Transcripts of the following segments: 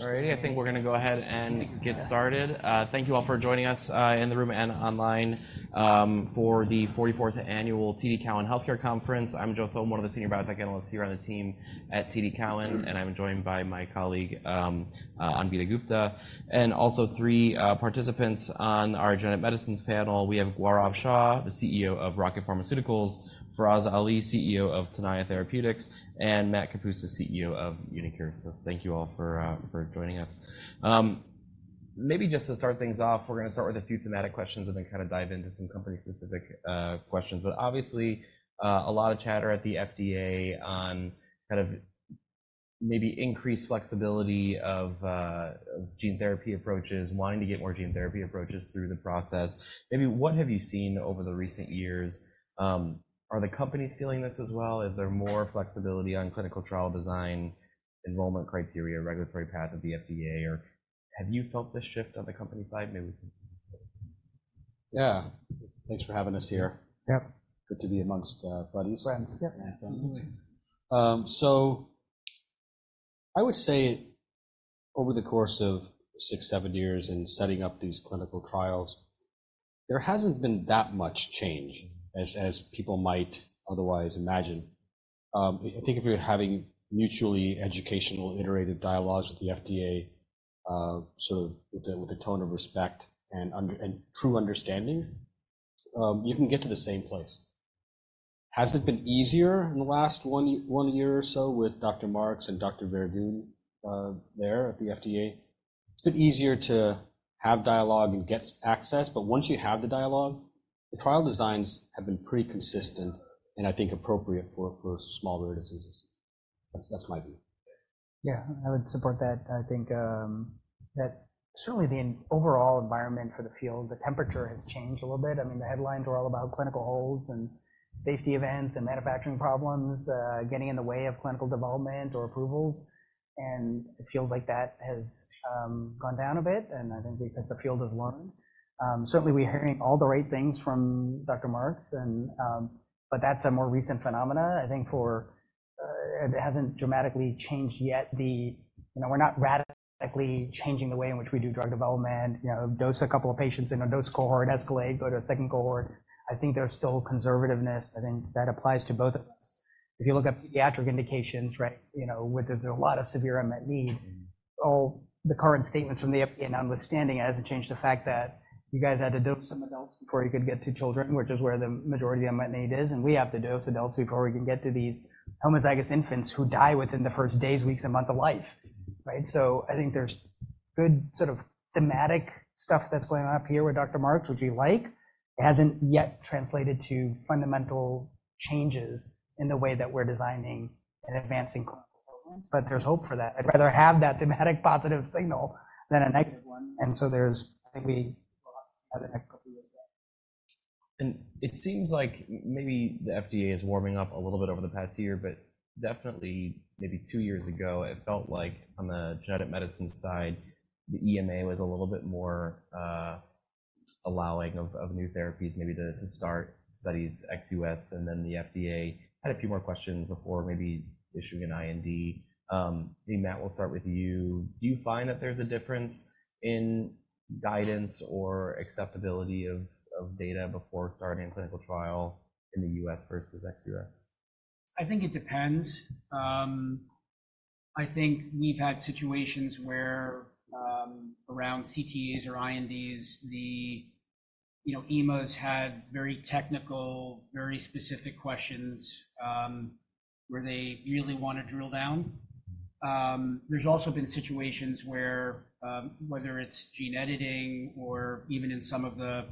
All righty, I think we're gonna go ahead and get started. Thank you all for joining us in the room and online for the 44th Annual TD Cowen Healthcare Conference. I'm Joe Thome, one of the senior biotech analysts here on the team at TD Cowen, and I'm joined by my colleague Anvita Gupta, and also three participants on our Genetic Medicines panel. We have Gaurav Shah, the CEO of Rocket Pharmaceuticals; Faraz Ali, CEO of Tenaya Therapeutics; and Matt Kapusta, CEO of uniQure. So thank you all for joining us. Maybe just to start things off, we're gonna start with a few thematic questions and then kinda dive into some company-specific questions. But obviously, a lot of chatter at the FDA on kind of maybe increased flexibility of, of gene therapy approaches, wanting to get more gene therapy approaches through the process. Maybe what have you seen over the recent years? Are the companies feeling this as well? Is there more flexibility on clinical trial design, enrollment criteria, regulatory path of the FDA, or have you felt this shift on the company side? Maybe we can start. Yeah. Thanks for having us here. Yep. Good to be amongst, buddies. Friends, yep. Yeah, friends. So I would say over the course of six, seven years in setting up these clinical trials, there hasn't been that much change as, as people might otherwise imagine. I think if you're having mutually educational, iterative dialogues with the FDA, sort of with a, with a tone of respect and understanding, you can get to the same place. Has it been easier in the last one year or so with Dr. Marks and Dr. Verdun, there at the FDA? It's been easier to have dialogue and get access, but once you have the dialogue, the trial designs have been pretty consistent and I think appropriate for, for smaller diseases. That's, that's my view. Yeah, I would support that. I think that certainly the overall environment for the field, the temperature has changed a little bit. I mean, the headlines were all about clinical holds and safety events and manufacturing problems getting in the way of clinical development or approvals, and it feels like that has gone down a bit, and I think the field has learned. Certainly we're hearing all the right things from Dr. Marks, and but that's a more recent phenomena, I think, for... It hasn't dramatically changed yet you know, we're not radically changing the way in which we do drug development. You know, dose a couple of patients in a dose cohort, escalate, go to a second cohort. I think there's still conservativeness, I think that applies to both of us. If you look up pediatric indications, right, you know, with a lot of severe unmet need, all the current statements from the FDA notwithstanding, it hasn't changed the fact that you guys had to dose some adults before you could get to children, which is where the majority of unmet need is, and we have to dose adults before we can get to these homozygous infants who die within the first days, weeks, and months of life, right? So I think there's good sort of thematic stuff that's going on up here with Dr. Marks, which we like. It hasn't yet translated to fundamental changes in the way that we're designing and advancing clinical development, but there's hope for that. I'd rather have that thematic positive signal than a negative one, and so there's, I think we will have to see how the next couple years go. It seems like maybe the FDA is warming up a little bit over the past year, but definitely maybe two years ago, it felt like on the genetic medicine side, the EMA was a little bit more allowing of new therapies maybe to start studies ex U.S., and then the FDA had a few more questions before maybe issuing an IND. I mean, Matt, we'll start with you. Do you find that there's a difference in guidance or acceptability of data before starting a clinical trial in the U.S. versus ex U.S.? I think it depends. I think we've had situations where, around CTAs or INDs, you know, EMAs had very technical, very specific questions, where they really wanna drill down. There's also been situations where, whether it's gene editing or even in some of the,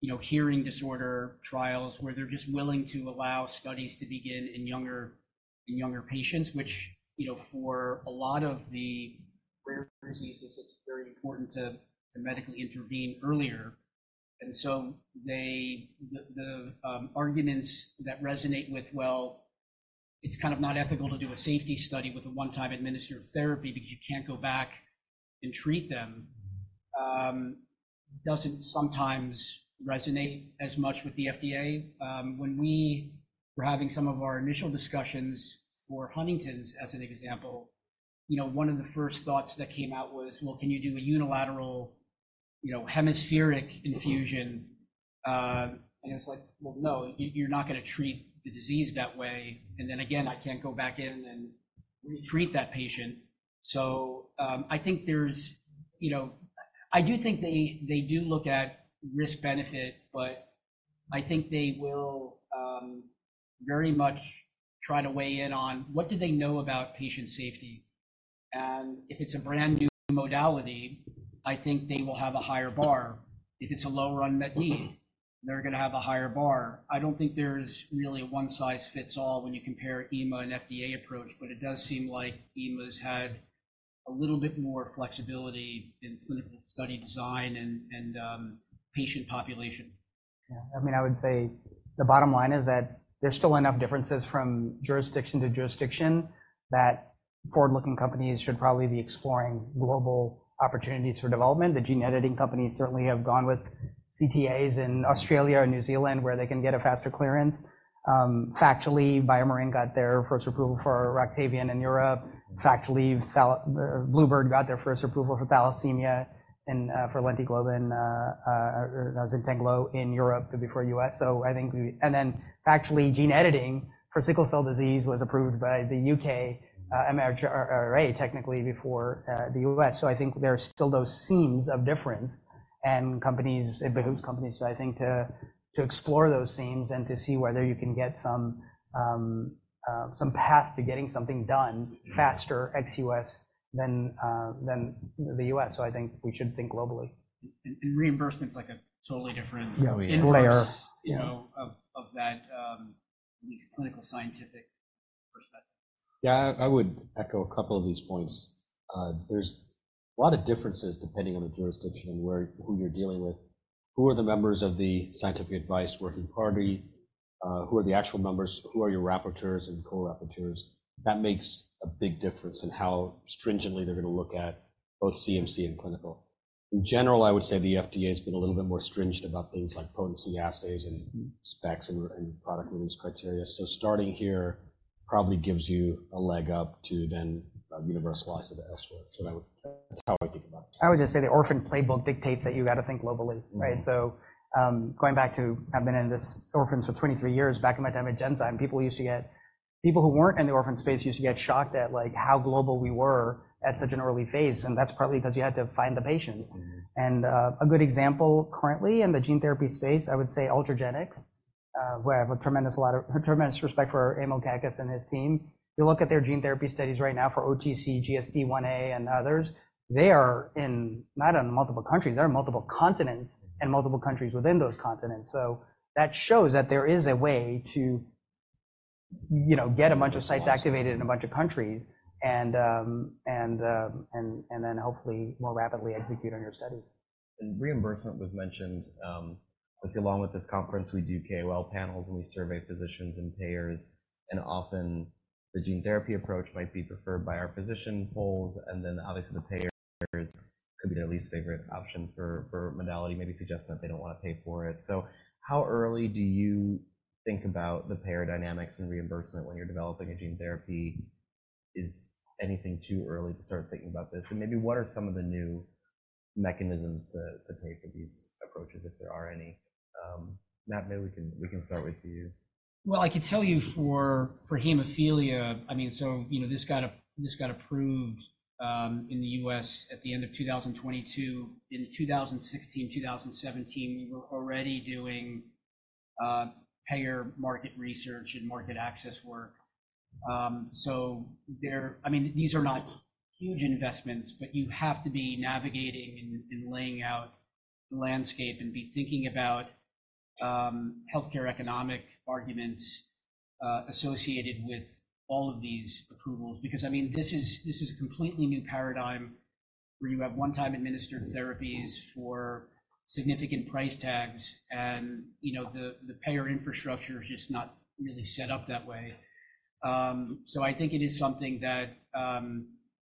you know, hearing disorder trials, where they're just willing to allow studies to begin in younger patients, which, you know, for a lot of the rare diseases, it's very important to medically intervene earlier. And so, the arguments that resonate with, well, it's kind of not ethical to do a safety study with a one-time administered therapy because you can't go back and treat them, doesn't sometimes resonate as much with the FDA. When we were having some of our initial discussions for Huntington's, as an example, you know, one of the first thoughts that came out was: Well, can you do a unilateral, you know, hemispheric infusion? And it's like: Well, no, you, you're not gonna treat the disease that way, and then again, I can't go back in and retreat that patient. So, I think there's, you know, I do think they, they do look at risk-benefit, but I think they will, very much try to weigh in on what do they know about patient safety. And if it's a brand-new modality, I think they will have a higher bar. If it's a low-run unmet need, they're gonna have a higher bar. I don't think there's really a one-size-fits-all when you compare EMA and FDA approach, but it does seem like EMA's had a little bit more flexibility in clinical study design and patient population. Yeah. I mean, I would say the bottom line is that there's still enough differences from jurisdiction to jurisdiction, that forward-looking companies should probably be exploring global opportunities for development. The gene editing companies certainly have gone with CTAs in Australia and New Zealand, where they can get a faster clearance. Factually, BioMarin got their first approval for Roctavian in Europe. Factually, bluebird bio got their first approval for thalassemia and for LentiGlobin or Zynteglo in Europe, but before U.S. And then factually, gene editing for sickle cell disease was approved by the U.K. MHRA, technically before the U.S. So I think there are still those seams of difference, and companies, it behooves companies, I think, to explore those seams and to see whether you can get some path to getting something done faster, ex-U.S., than the U.S. So I think we should think globally. Reimbursement is like a totally different- Yeah. - layer, you know, of, of that, at least clinical scientific perspective. Yeah, I would echo a couple of these points. There's a lot of differences depending on the jurisdiction and where, who you're dealing with. Who are the members of the Scientific Advice Working Party? Who are the actual members? Who are your rapporteurs and co-rapporteurs? That makes a big difference in how stringently they're going to look at both CMC and clinical. In general, I would say the FDA has been a little bit more stringent about things like potency assays and specs and product release criteria. So starting here probably gives you a leg up to then a universal slice of the Escrow. So that would, that's how I think about it. I would just say the orphan playbook dictates that you got to think globally, right? Mm-hmm. So, going back to, I've been in this orphan for 23 years, back in my time at Genzyme, people who weren't in the orphan space used to get shocked at, like, how global we were at such an early phase, and that's partly because you had to find the patients. Mm-hmm. A good example currently in the gene therapy space, I would say Ultragenyx, where I have a tremendous lot of tremendous respect for Emil Kakkis and his team. You look at their gene therapy studies right now for OTC, GSDIa, and others, they are in, not in multiple countries, they're in multiple continents and multiple countries within those continents. So that shows that there is a way to, you know, get a bunch of sites activated in a bunch of countries and then hopefully more rapidly execute on your studies. Reimbursement was mentioned. I see along with this conference, we do KOL panels, and we survey physicians and payers, and often the gene therapy approach might be preferred by our physician polls, and then obviously, the payers could be their least favorite option for modality, maybe suggesting that they don't want to pay for it. So how early do you think about the payer dynamics and reimbursement when you're developing a gene therapy? Is anything too early to start thinking about this? And maybe what are some of the new mechanisms to pay for these approaches, if there are any? Matt, maybe we can start with you. Well, I can tell you for hemophilia, I mean, so, you know, this got approved in the U.S. at the end of 2022. In 2016, 2017, we were already doing payer market research and market access work. So there, I mean, these are not huge investments, but you have to be navigating and laying out the landscape and be thinking about healthcare economic arguments associated with all of these approvals. Because, I mean, this is a completely new paradigm where you have one-time administered therapies for significant price tags, and, you know, the payer infrastructure is just not really set up that way. I think it is something that,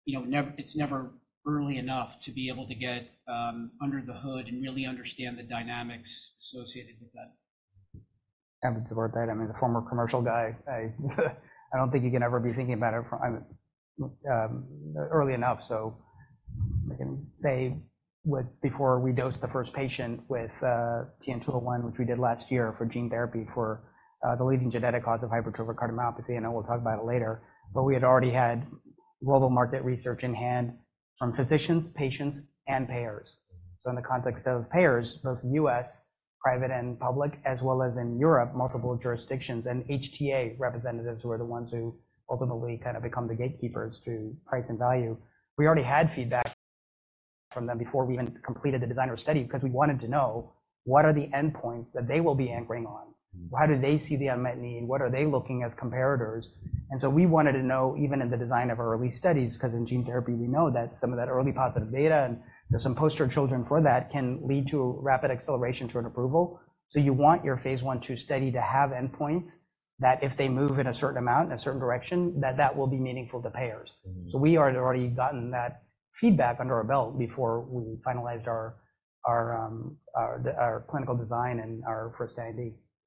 you know, it's never early enough to be able to get under the hood and really understand the dynamics associated with that. Happy to support that. I mean, a former commercial guy, I, I don't think you can ever be thinking about it from early enough. So I can say with before we dosed the first patient with TN-201, which we did last year for gene therapy for the leading genetic cause of hypertrophic cardiomyopathy, I know we'll talk about it later, but we had already had global market research in hand from physicians, patients, and payers. So in the context of payers, both U.S., private and public, as well as in Europe, multiple jurisdictions and HTA representatives, who are the ones who ultimately kind of become the gatekeepers to price and value. We already had feedback from them before we even completed the designer study because we wanted to know: What are the endpoints that they will be anchoring on? How do they see the unmet need? What are they looking as comparators? And so we wanted to know, even in the design of our early studies, because in gene therapy, we know that some of that early positive data, and there's some poster children for that, can lead to rapid acceleration to an approval. So you want your phase I study to have endpoints, that if they move in a certain amount, in a certain direction, that that will be meaningful to payers. So we had already gotten that feedback under our belt before we finalized our clinical design and our first IND.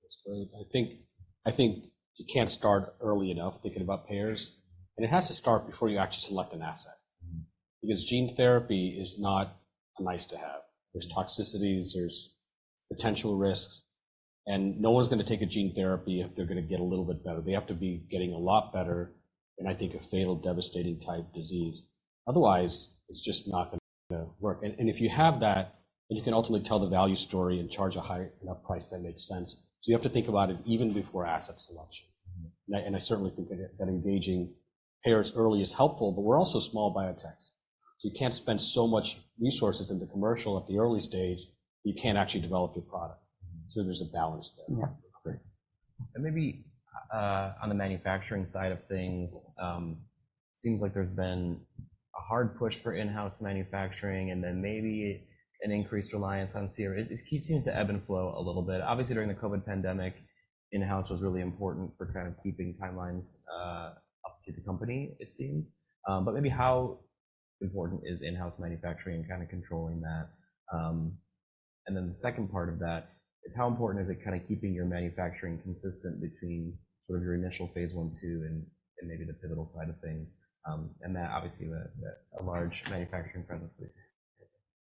That's great. I think, I think you can't start early enough thinking about payers, and it has to start before you actually select an asset. Because gene therapy is not a nice to have. There's toxicities, there's potential risks, and no one's gonna take a gene therapy if they're gonna get a little bit better. They have to be getting a lot better, and I think a fatal, devastating type disease. Otherwise, it's just not gonna work. And, and if you have that, then you can ultimately tell the value story and charge a high enough price that makes sense. So you have to think about it even before asset selection. And I certainly think that engaging payers early is helpful, but we're also small biotechs, so you can't spend so much resources in the commercial at the early stage, you can't actually develop your product. So there's a balance there. Yeah. Great. And maybe on the manufacturing side of things, seems like there's been a hard push for in-house manufacturing and then maybe an increased reliance on CR. It seems to ebb and flow a little bit. Obviously, during the COVID pandemic, in-house was really important for kind of keeping timelines up to the company, it seems. But maybe how important is in-house manufacturing and kind of controlling that? And then the second part of that is how important is it kind of keeping your manufacturing consistent between sort of your initial phase I, II, and maybe the pivotal side of things, and that obviously a large manufacturing presence with this?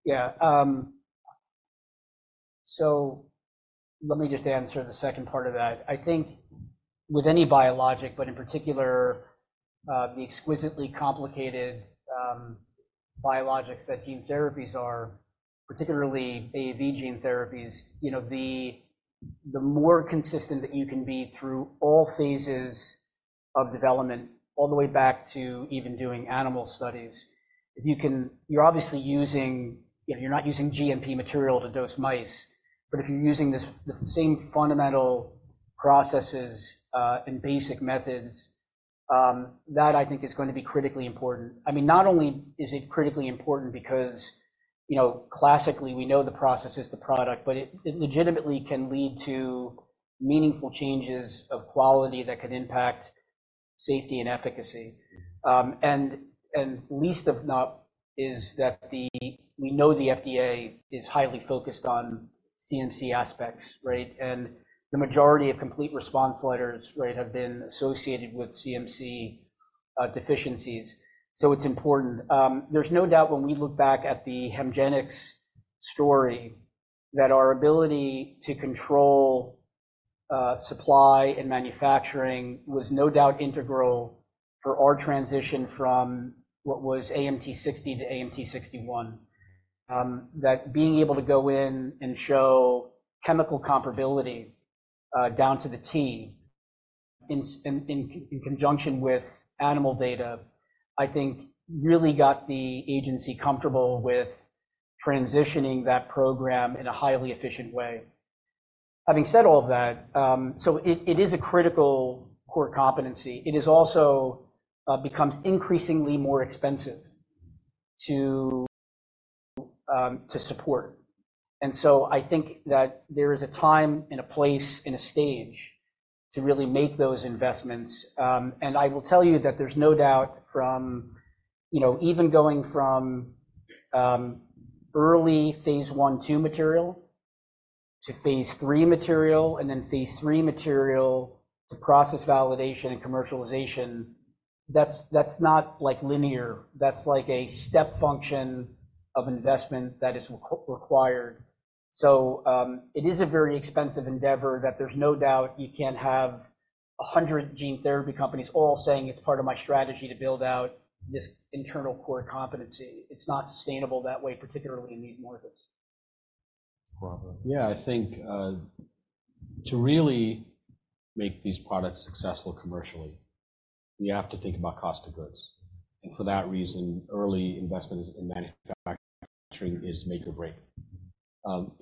Yeah. So let me just answer the second part of that. I think with any biologic, but in particular, the exquisitely complicated biologics that gene therapies are, particularly AAV gene therapies, you know, the more consistent that you can be through all phases of development, all the way back to even doing animal studies, if you can—you're obviously using—you know, you're not using GMP material to dose mice, but if you're using the same fundamental processes and basic methods, that I think is going to be critically important. I mean, not only is it critically important because, you know, classically, we know the process is the product, but it legitimately can lead to meaningful changes of quality that could impact safety and efficacy. Last but not least, we know the FDA is highly focused on CMC aspects, right? And the majority of complete response letters, right, have been associated with CMC deficiencies. So it's important. There's no doubt when we look back at the Hemgenix story, that our ability to control supply and manufacturing was no doubt integral for our transition from what was AMT-060 to AMT-061. That being able to go in and show chemical comparability down to a T, in conjunction with animal data, I think really got the agency comfortable with transitioning that program in a highly efficient way. Having said all of that, so it is a critical core competency. It is also becomes increasingly more expensive to support. And so I think that there is a time, and a place, and a stage to really make those investments. I will tell you that there's no doubt from, you know, even going from early phase I, II material to phase III material, and then phase III material to process validation and commercialization, that's not like linear. That's like a step function of investment that is required. So, it is a very expensive endeavor that there's no doubt you can't have 100 gene therapy companies all saying, "It's part of my strategy to build out this internal core competency." It's not sustainable that way, particularly in these markets. Yeah, I think to really make these products successful commercially, you have to think about cost of goods. For that reason, early investment in manufacturing is make or break.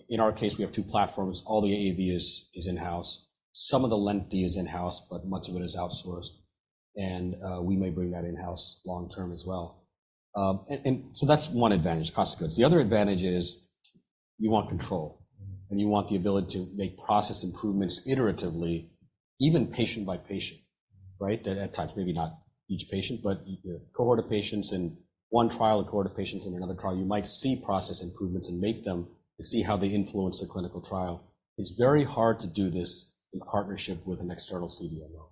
In our case, we have two platforms. All the AAV is in-house. Some of the Lenti is in-house, but much of it is outsourced, and we may bring that in-house long term as well. And so that's one advantage, cost of goods. The other advantage is you want control, and you want the ability to make process improvements iteratively, even patient by patient, right? At times, maybe not each patient, but a cohort of patients in one trial, a cohort of patients in another trial, you might see process improvements and make them, and see how they influence the clinical trial. It's very hard to do this in partnership with an external CDMO.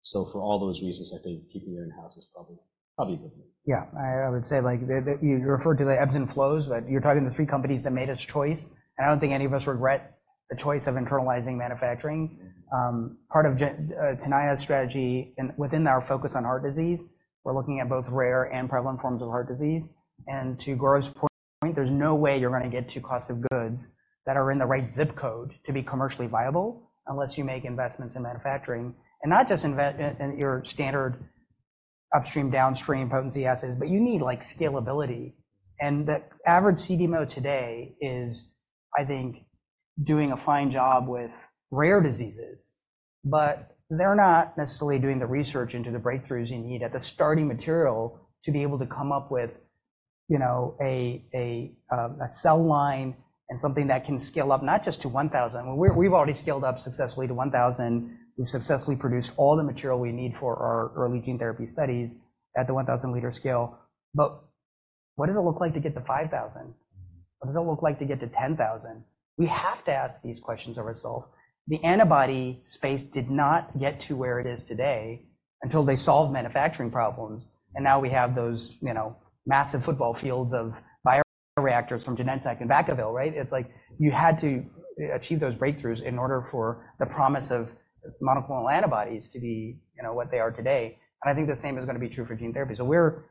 So for all those reasons, I think keeping it in-house is probably, probably good. Yeah. I would say, like, you referred to the ebbs and flows, but you're talking to three companies that made its choice, and I don't think any of us regret the choice of internalizing manufacturing. Part of Tenaya's strategy and within our focus on heart disease, we're looking at both rare and prevalent forms of heart disease. And to Gaurav's point, there's no way you're gonna get to costs of goods that are in the right zip code to be commercially viable, unless you make investments in manufacturing. And not just invest in your standard upstream, downstream potency assays, but you need, like, scalability. The average CDMO today is, I think, doing a fine job with rare diseases, but they're not necessarily doing the research into the breakthroughs you need at the starting material to be able to come up with, you know, a cell line and something that can scale up, not just to 1,000. We've already scaled up successfully to 1,000. We've successfully produced all the material we need for our early gene therapy studies at the 1,000 L scale. But what does it look like to get to 5,000? What does it look like to get to 10,000? We have to ask these questions ourselves. The antibody space did not get to where it is today until they solved manufacturing problems, and now we have those, you know, massive football fields of bioreactors from Genentech in Vacaville, right? It's like you had to achieve those breakthroughs in order for the promise of monoclonal antibodies to be, you know, what they are today. And I think the same is gonna be true for gene therapy. So we're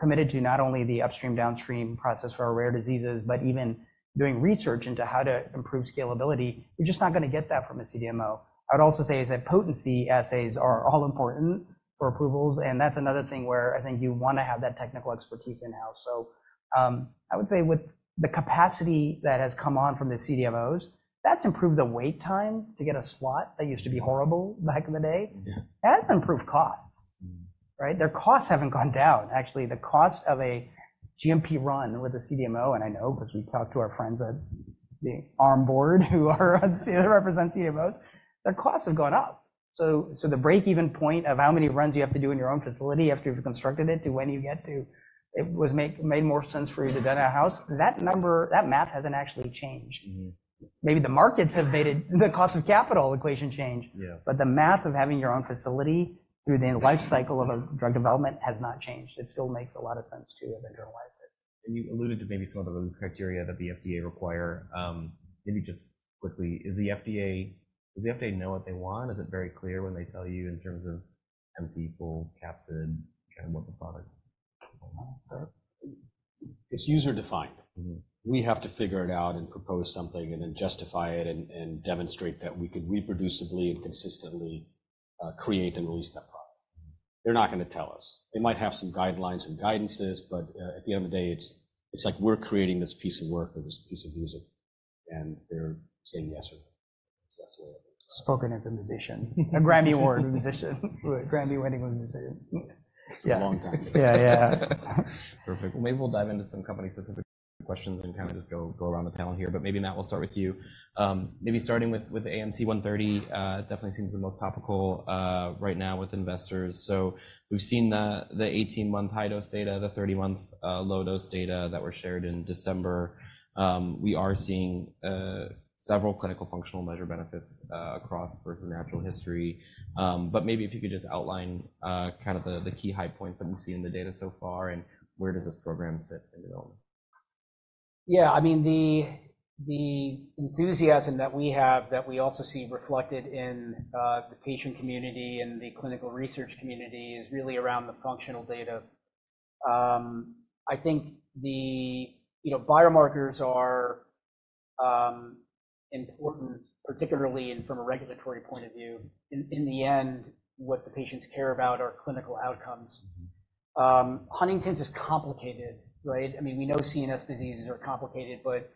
committed to not only the upstream, downstream process for our rare diseases, but even doing research into how to improve scalability. We're just not gonna get that from a CDMO. I would also say is that potency assays are all important for approvals, and that's another thing where I think you wanna have that technical expertise in-house. So, I would say with the capacity that has come on from the CDMOs, that's improved the wait time to get a slot. That used to be horrible back in the day. That's improved costs, right? Their costs haven't gone down. Actually, the cost of a GMP run with a CDMO, and I know because we've talked to our friends at the ad board who are on, represent CMOs, their costs have gone up. So the break-even point of how many runs you have to do in your own facility after you've constructed it, to when you get to it was made more sense for you to own a house, that number, that math hasn't actually changed. Maybe the markets have made it, the cost of capital equation change, but the math of having your own facility through the life cycle of a drug development has not changed. It still makes a lot of sense to have internalized it. You alluded to maybe some of those criteria that the FDA require. Maybe just quickly, is the FDA. Does the FDA know what they want? Is it very clear when they tell you in terms of empty, full, capsid, and what the product is for? It's user-defined. We have to figure it out and propose something, and then justify it, and demonstrate that we could reproducibly and consistently create and release that product. They're not going to tell us. They might have some guidelines and guidances, but at the end of the day, it's like we're creating this piece of work or this piece of music, and they're saying yes or no. So that's the way I think about it. Spoken as a musician, a Grammy Award musician. Grammy-winning musician. It was a long time ago. Yeah. Yeah. Perfect. Well, maybe we'll dive into some company-specific questions and kind of just go around the panel here, but maybe, Matt, we'll start with you. Maybe starting with AMT-130, it definitely seems the most topical right now with investors. So we've seen the 18-month high-dose data, the 30-month low-dose data that were shared in December. We are seeing several clinical functional measure benefits across versus natural history. But maybe if you could just outline kind of the key high points that we've seen in the data so far, and where does this program sit in development? Yeah, I mean, the enthusiasm that we have that we also see reflected in the patient community and the clinical research community is really around the functional data. I think you know, biomarkers are important, particularly and from a regulatory point of view. In the end, what the patients care about are clinical outcomes. Huntington's is complicated, right? I mean, we know CNS diseases are complicated, but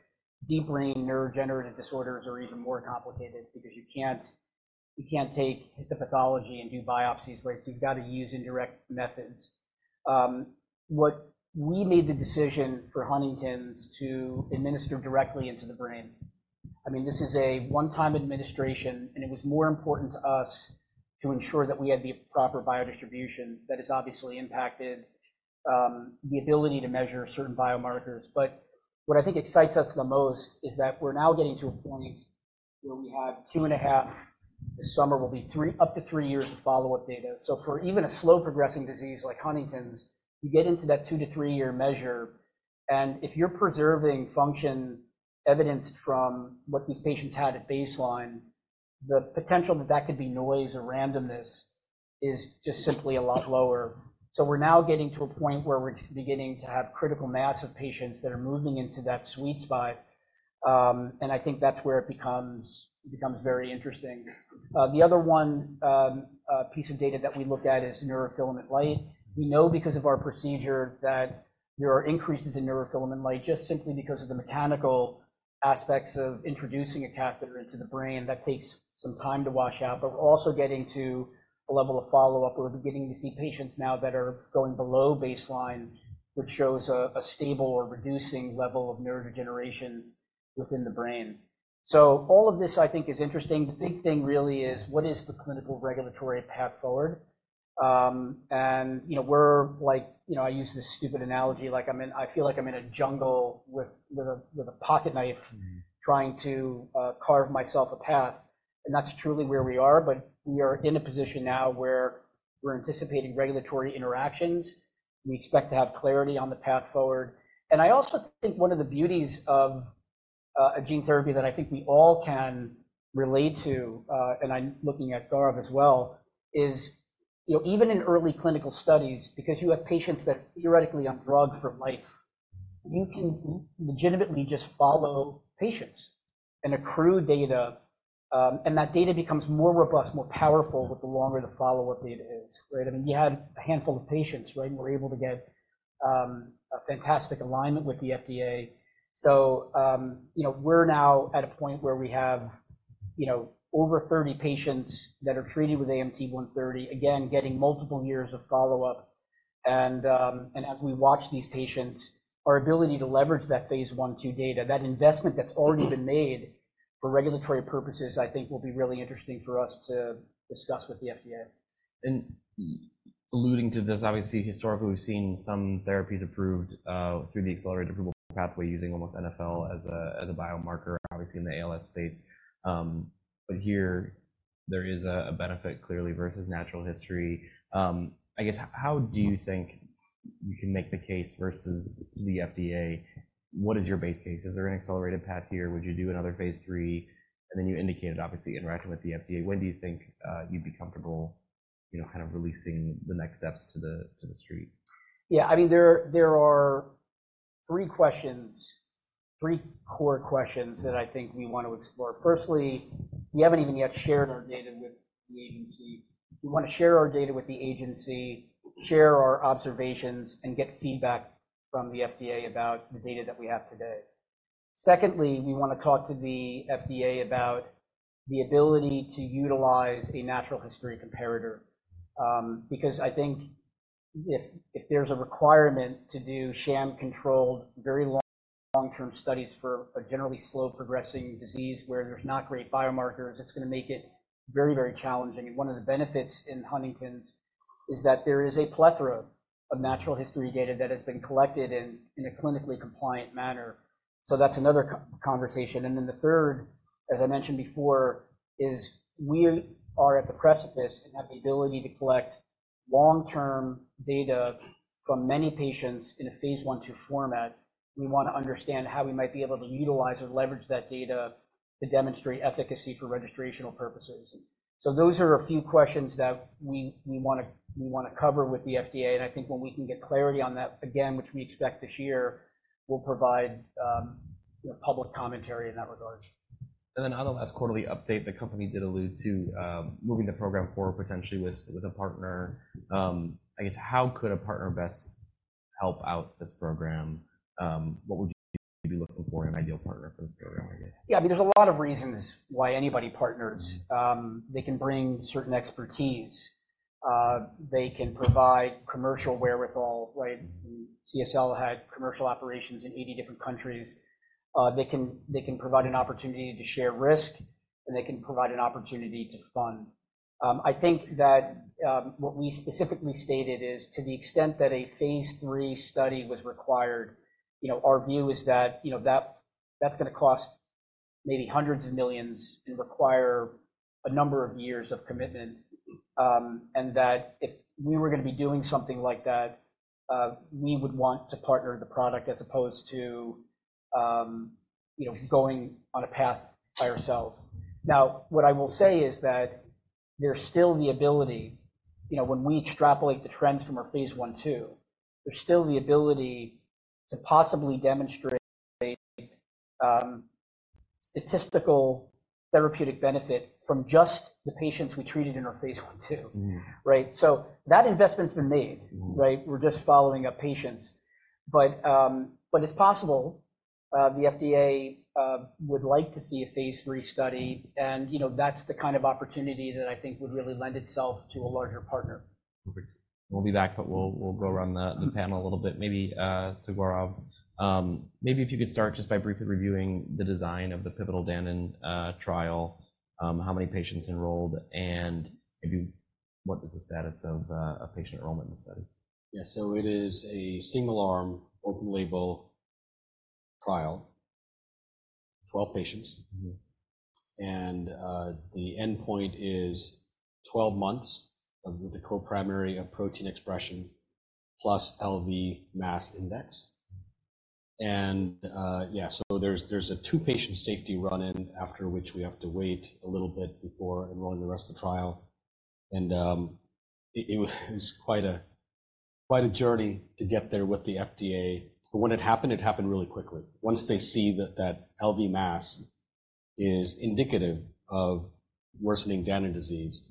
deep brain neurogenerative disorders are even more complicated because you can't take histopathology and do biopsies, right? So you've got to use indirect methods. We made the decision for Huntington's to administer directly into the brain. I mean, this is a one-time administration, and it was more important to us to ensure that we had the proper biodistribution. That has obviously impacted the ability to measure certain biomarkers. But what I think excites us the most is that we're now getting to a point where we have 2.5, this summer will be 3, up to 3 years of follow-up data. So for even a slow-progressing disease like Huntington's, you get into that 2- to 3-year measure, and if you're preserving function evidenced from what these patients had at baseline, the potential that that could be noise or randomness is just simply a lot lower. So we're now getting to a point where we're beginning to have critical mass of patients that are moving into that sweet spot, and I think that's where it becomes very interesting. The other piece of data that we looked at is neurofilament light. We know because of our procedure that there are increases in neurofilament light, just simply because of the mechanical aspects of introducing a catheter into the brain. That takes some time to wash out. But we're also getting to a level of follow-up, we're beginning to see patients now that are going below baseline, which shows a stable or reducing level of neurodegeneration within the brain. So all of this, I think, is interesting. The big thing really is, what is the clinical regulatory path forward? And, you know, we're like, you know, I use this stupid analogy, like, I'm in—I feel like I'm in a jungle with a pocket knife trying to carve myself a path, and that's truly where we are, but we are in a position now where we're anticipating regulatory interactions. We expect to have clarity on the path forward. I also think one of the beauties of a gene therapy that I think we all can relate to, and I'm looking at Gaurav as well, is, you know, even in early clinical studies, because you have patients that theoretically are on drug for life, you can legitimately just follow patients and accrue data, and that data becomes more robust, more powerful with the longer the follow-up data is. Right? I mean, we had a handful of patients, right, and we're able to get a fantastic alignment with the FDA. So, you know, we're now at a point where we have, you know, over 30 patients that are treated with AMT-130, again, getting multiple years of follow-up. And, and as we watch these patients, our ability to leverage that phase I/II data, that investment that's already been made for regulatory purposes, I think will be really interesting for us to discuss with the FDA. Alluding to this, obviously, historically, we've seen some therapies approved through the accelerated approval pathway, using almost NfL as a biomarker, obviously in the ALS space. But here there is a benefit clearly versus natural history. I guess, how do you think you can make the case versus the FDA? What is your base case? Is there an accelerated path here? Would you do another phase III? And then you indicated, obviously, interacting with the FDA, when do you think you'd be comfortable, you know, kind of releasing the next steps to the street? Yeah, I mean, there are three questions, three core questions that I think we want to explore. Firstly, we haven't even yet shared our data with the agency. We want to share our data with the agency, share our observations, and get feedback from the FDA about the data that we have today. Secondly, we want to talk to the FDA about the ability to utilize a natural history comparator, because I think if there's a requirement to do sham-controlled, very long, long-term studies for a generally slow-progressing disease where there's not great biomarkers, it's going to make it very, very challenging. And one of the benefits in Huntington's is that there is a plethora of natural history data that has been collected in a clinically compliant manner. So that's another conversation. And then the third, as I mentioned before, is we are at the precipice and have the ability to collect long-term data from many patients in a phase I/II format. We want to understand how we might be able to utilize or leverage that data to demonstrate efficacy for registrational purposes. So those are a few questions that we wanna cover with the FDA, and I think when we can get clarity on that, again, which we expect this year, we'll provide, you know, public commentary in that regard. And then on the last quarterly update, the company did allude to moving the program forward, potentially with, with a partner. I guess, how could a partner best help out this program? What would you be looking for in an ideal partner for this program, I guess? Yeah, I mean, there's a lot of reasons why anybody partners. They can bring certain expertise. They can provide commercial wherewithal, right? CSL had commercial operations in 80 different countries. They can provide an opportunity to share risk, and they can provide an opportunity to fund. I think that what we specifically stated is to the extent that a phase III study was required, you know, our view is that, you know, that's gonna cost maybe $hundreds of millions and require a number of years of commitment. And that if we were gonna be doing something like that, we would want to partner the product as opposed to, you know, going on a path by ourselves. Now, what I will say is that there's still the ability, you know, when we extrapolate the trends from our phase I/II, there's still the ability to possibly demonstrate statistical therapeutic benefit from just the patients we treated in our phase I/II. Right? So that investment's been made, right? We're just following up patients. But it's possible the FDA would like to see a Phase III study, and, you know, that's the kind of opportunity that I think would really lend itself to a larger partner. Perfect. We'll be back, but we'll go around the panel a little bit. Maybe, to Gaurav, maybe if you could start just by briefly reviewing the design of the pivotal Danon trial, how many patients enrolled, and maybe what is the status of patient enrollment in the study? Yeah, so it is a single-arm, open-label trial, 12 patients. The endpoint is 12 months of the co-primary of protein expression, plus LV mass index. Yeah, so there's a 2-patient safety run-in, after which we have to wait a little bit before enrolling the rest of the trial. It was quite a journey to get there with the FDA, but when it happened, it happened really quickly. Once they see that that LV mass is indicative of worsening Danon disease,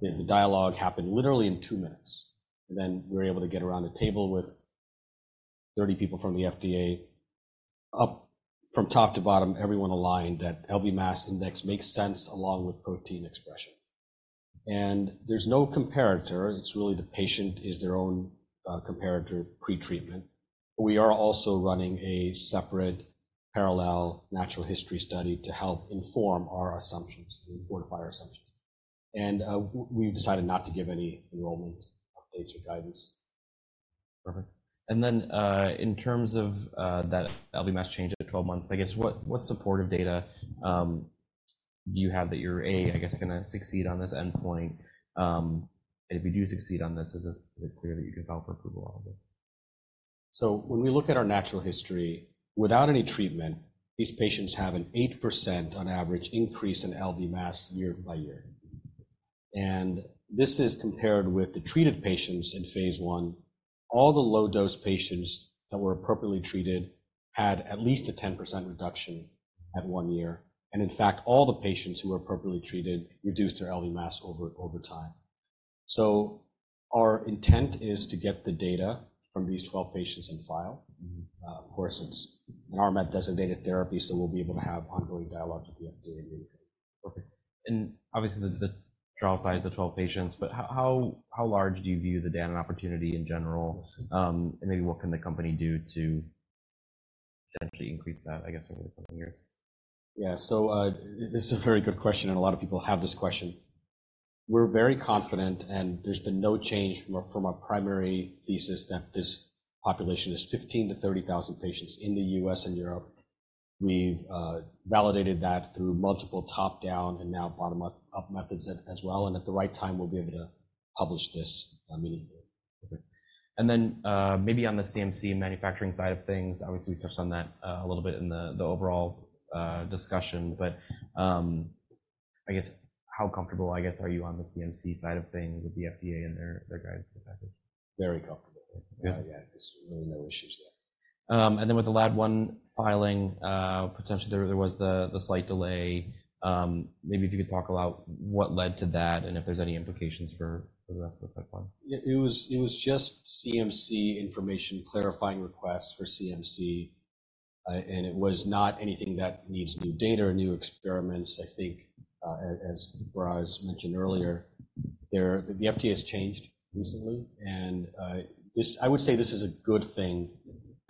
the dialogue happened literally in 2 minutes. Then we were able to get around a table with 30 people from the FDA. Up from top to bottom, everyone aligned that LV mass index makes sense along with protein expression. And there's no comparator. It's really the patient is their own comparator pre-treatment. We are also running a separate parallel natural history study to help inform our assumptions, fortify our assumptions. We've decided not to give any enrollment updates or guidance. Perfect. And then, in terms of that LV mass change at 12 months, I guess what, what supportive data do you have that you're, A, I guess, gonna succeed on this endpoint? And if you do succeed on this, is it clear that you could file for approval on this? So when we look at our natural history, without any treatment, these patients have an 8%, on average, increase in LV mass year by year. And this is compared with the treated patients in phase I. All the low-dose patients that were appropriately treated had at least a 10% reduction at one year, and in fact, all the patients who were appropriately treated reduced their LV mass over, over time. So our intent is to get the data from these 12 patients on file. Of course, it's an RMAT-designated therapy, so we'll be able to have ongoing dialogue with the FDA. Perfect. And obviously, the trial size is 12 patients, but how large do you view the Danon opportunity in general? And maybe what can the company do to potentially increase that, I guess, over the coming years? Yeah. So, this is a very good question, and a lot of people have this question. We're very confident, and there's been no change from our primary thesis that this population is 15,000-30,000 patients in the U.S. and Europe. We've validated that through multiple top-down and now bottom-up methods as well, and at the right time, we'll be able to publish this immediately. Perfect. And then, maybe on the CMC and manufacturing side of things, obviously, we touched on that a little bit in the overall discussion. But, I guess, how comfortable, I guess, are you on the CMC side of things with the FDA and their guide to the package? Very comfortable. Yeah. Yeah, there's really no issues there. And then with the LAD-I filing, potentially, there was the slight delay. Maybe if you could talk about what led to that and if there's any implications for the rest of the pipeline. Yeah, it was, it was just CMC information, clarifying requests for CMC. And it was not anything that needs new data or new experiments. I think, as Faraz mentioned earlier, there, the FDA has changed recently, and, this, I would say this is a good thing,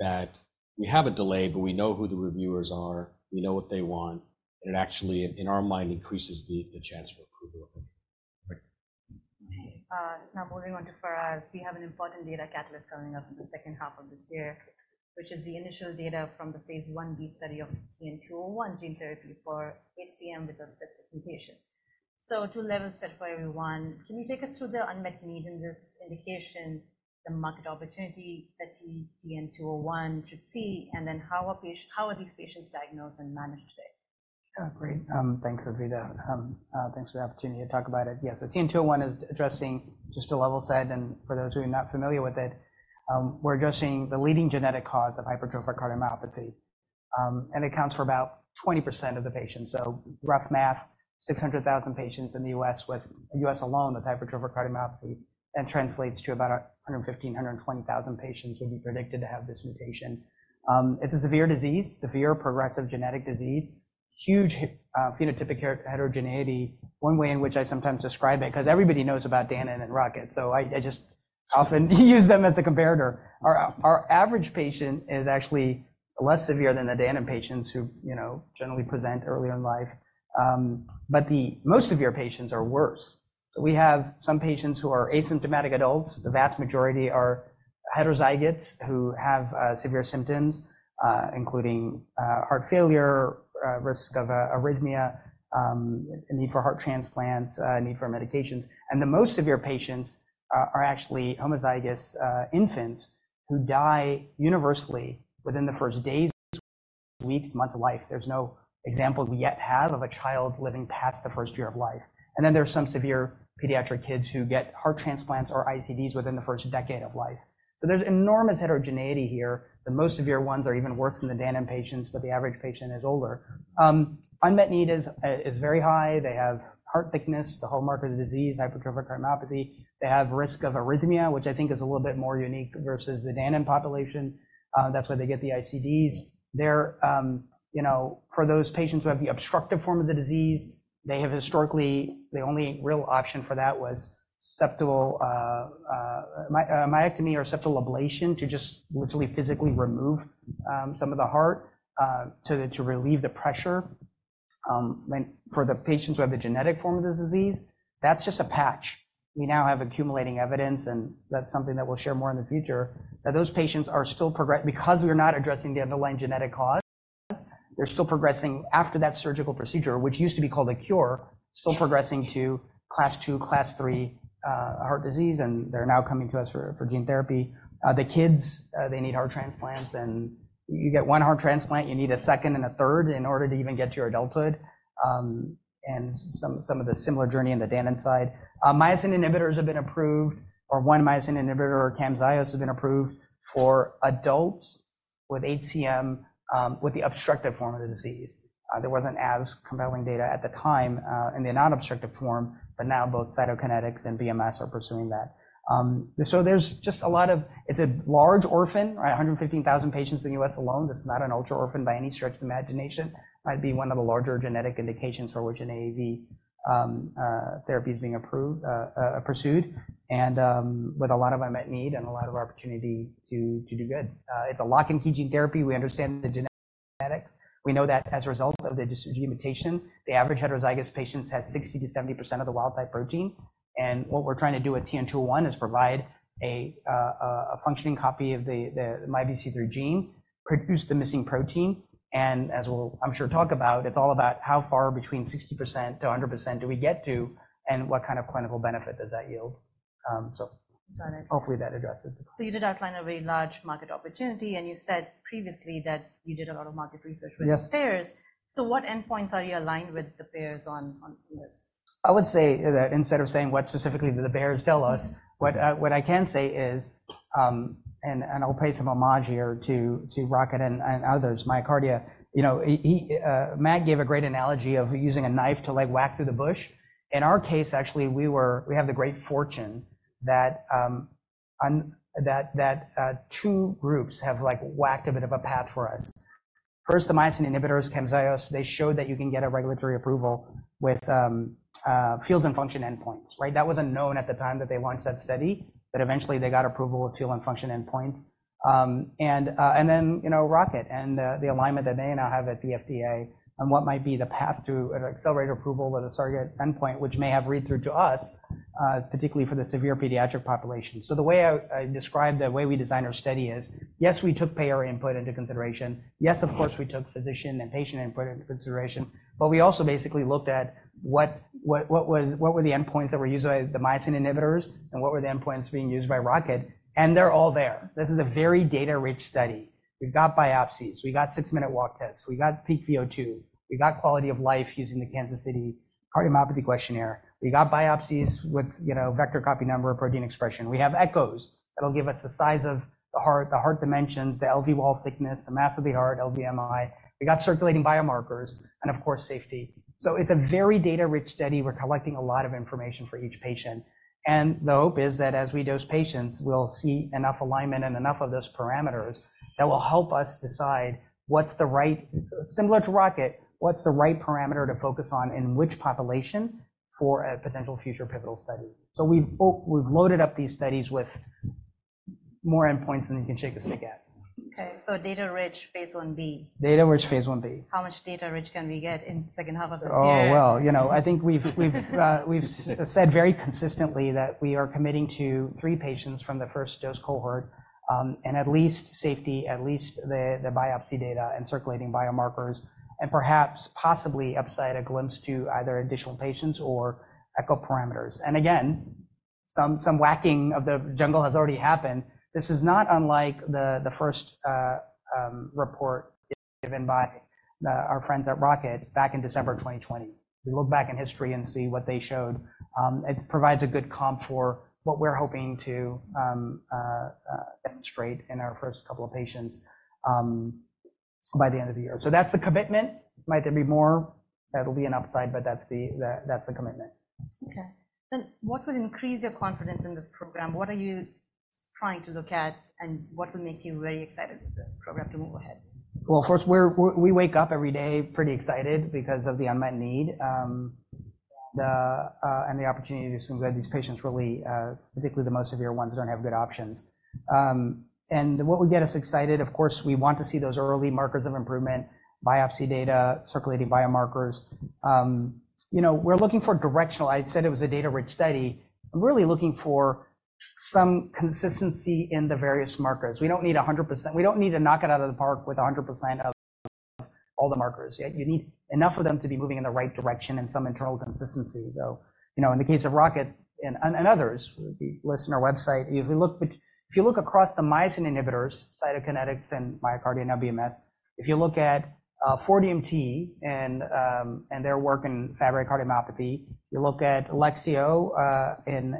that we have a delay, but we know who the reviewers are, we know what they want, and it actually, in our mind, increases the, the chance for approval. Now moving on to Faraz, we have an important data catalyst coming up in the second half of this year, which is the initial data from the phase I-B study of TN-201 gene therapy for HCM with a specific mutation. So to level set for everyone, can you take us through the unmet need in this indication, the market opportunity that TN-201 should see, and then how a patient—how are these patients diagnosed and managed today? Great. Thanks, Anvita. Thanks for the opportunity to talk about it. Yeah, so TN-201 is addressing just a level set, and for those of you not familiar with it, we're addressing the leading genetic cause of hypertrophic cardiomyopathy, and it accounts for about 20% of the patients. So rough math, 600,000 patients in the U.S. with, U.S. alone with hypertrophic cardiomyopathy, and translates to about 115,000-120,000 patients who be predicted to have this mutation. It's a severe disease, severe progressive genetic disease, huge phenotypic heterogeneity. One way in which I sometimes describe it, because everybody knows about Danon and Rocket, so I just often use them as the comparator. Our average patient is actually less severe than the Danon patients who, you know, generally present early in life. But the most severe patients are worse. We have some patients who are asymptomatic adults. The vast majority are heterozygotes who have severe symptoms, including heart failure, risk of arrhythmia, a need for heart transplants, a need for medications. And the most severe patients are actually homozygous infants who die universally within the first days, weeks, months of life. There's no example we yet have of a child living past the first year of life. And then there are some severe pediatric kids who get heart transplants or ICDs within the first decade of life. So there's enormous heterogeneity here. The most severe ones are even worse than the Danon patients, but the average patient is older. Unmet need is very high. They have heart thickness, the whole marker of the disease, hypertrophic cardiomyopathy. They have risk of arrhythmia, which I think is a little bit more unique versus the Danon population. That's why they get the ICDs. They're, you know, for those patients who have the obstructive form of the disease, they have historically, the only real option for that was septal myectomy or septal ablation, to just literally physically remove some of the heart to relieve the pressure. And for the patients who have the genetic form of the disease, that's just a patch. We now have accumulating evidence, and that's something that we'll share more in the future, that those patients are still progressing. Because we are not addressing the underlying genetic cause, they're still progressing after that surgical procedure, which used to be called a cure, still progressing to Class 2, Class 3 heart disease, and they're now coming to us for gene therapy. The kids, they need heart transplants, and you get 1 heart transplant, you need a second and a third in order to even get to your adulthood, and some of the similar journey on the Danon side. Myosin inhibitors have been approved, or one myosin inhibitor, or Camzyos, have been approved for adults with HCM, with the obstructive form of the disease. There wasn't as compelling data at the time, in the non-obstructive form, but now both Cytokinetics and BMS are pursuing that. So there's just a lot of... It's a large orphan, right? 115,000 patients in the U.S. alone. This is not an ultra-orphan by any stretch of the imagination. Might be one of the larger genetic indications for which an AAV therapy is being approved, pursued, and with a lot of unmet need and a lot of opportunity to do good. It's a lock-in key gene therapy. We understand the genetics. We know that as a result of the this gene mutation, the average heterozygous patients has 60%-70% of the wild type protein, and what we're trying to do at TN-201 is provide a functioning copy of the MYBPC3 gene, produce the missing protein, and as we'll, I'm sure, talk about, it's all about how far between 60%-100% do we get to, and what kind of clinical benefit does that yield? So- Got it. Hopefully, that addresses the question. You did outline a very large market opportunity, and you said previously that you did a lot of market research with the payers. Yes. What endpoints are you aligned with the payers on, on this? I would say that instead of saying what specifically do the payers tell us, what, what I can say is, and I'll pay some homage here to Rocket and others, MyoKardia. You know, he, he, Matt gave a great analogy of using a knife to, like, whack through the bush. In our case, actually, we were, we have the great fortune that, that, two groups have, like, whacked a bit of a path for us. First, the myosin inhibitors, Camzyos, they showed that you can get a regulatory approval with fields and function endpoints, right? That wasn't known at the time that they launched that study, but eventually, they got approval of field and function endpoints. And then, you know, Rocket and the alignment that they now have at the FDA on what might be the path to an accelerated approval with a surrogate endpoint, which may have read through to us, particularly for the severe pediatric population. So the way I describe the way we design our study is, yes, we took payer input into consideration. Yes, of course, we took physician and patient input into consideration, but we also basically looked at what were the endpoints that were used by the myosin inhibitors, and what were the endpoints being used by Rocket, and they're all there. This is a very data-rich study. We've got biopsies, we got six-minute walk tests, we got peak VO2, we got quality of life using the Kansas City Cardiomyopathy Questionnaire. We got biopsies with, you know, vector copy number and protein expression. We have echoes that'll give us the size of the heart, the heart dimensions, the LV wall thickness, the mass of the heart, LVMI. We got circulating biomarkers, and of course, safety. So it's a very data-rich study. We're collecting a lot of information for each patient, and the hope is that as we dose patients, we'll see enough alignment and enough of those parameters that will help us decide what's the right, similar to Rocket, what's the right parameter to focus on in which population for a potential future pivotal study? So we've loaded up these studies with more endpoints than you can shake a stick at. Okay, so data-rich phase I-B? Data-rich phase I-B. How much data-rich can we get in second half of this year? Oh, well, you know, I think we've said very consistently that we are committing to three patients from the first dose cohort, and at least safety, at least the biopsy data and circulating biomarkers, and perhaps possibly upside a glimpse to either additional patients or echo parameters. And again, some whacking of the jungle has already happened. This is not unlike the first report given by our friends at Rocket back in December 2020. If we look back in history and see what they showed, it provides a good comp for what we're hoping to demonstrate in our first couple of patients by the end of the year. So that's the commitment. Might there be more? That'll be an upside, but that's the commitment. Okay. Then what would increase your confidence in this program? What are you trying to look at, and what will make you very excited with this program to move ahead? Well, first, we wake up every day pretty excited because of the unmet need and the opportunity to do some good. These patients really, particularly the most severe ones, don't have good options. And what would get us excited, of course, we want to see those early markers of improvement, biopsy data, circulating biomarkers. You know, we're looking for directional. I said it was a data-rich study. I'm really looking for some consistency in the various markers. We don't need 100%. We don't need to knock it out of the park with 100% of all the markers. Yet you need enough of them to be moving in the right direction and some internal consistency. So, you know, in the case of Rocket and others, if you look at our website, if you look across the myosin inhibitors, Cytokinetics and MyoKardia, BMS, if you look at 4DMT and their work in Fabry cardiomyopathy, you look at Lexeo in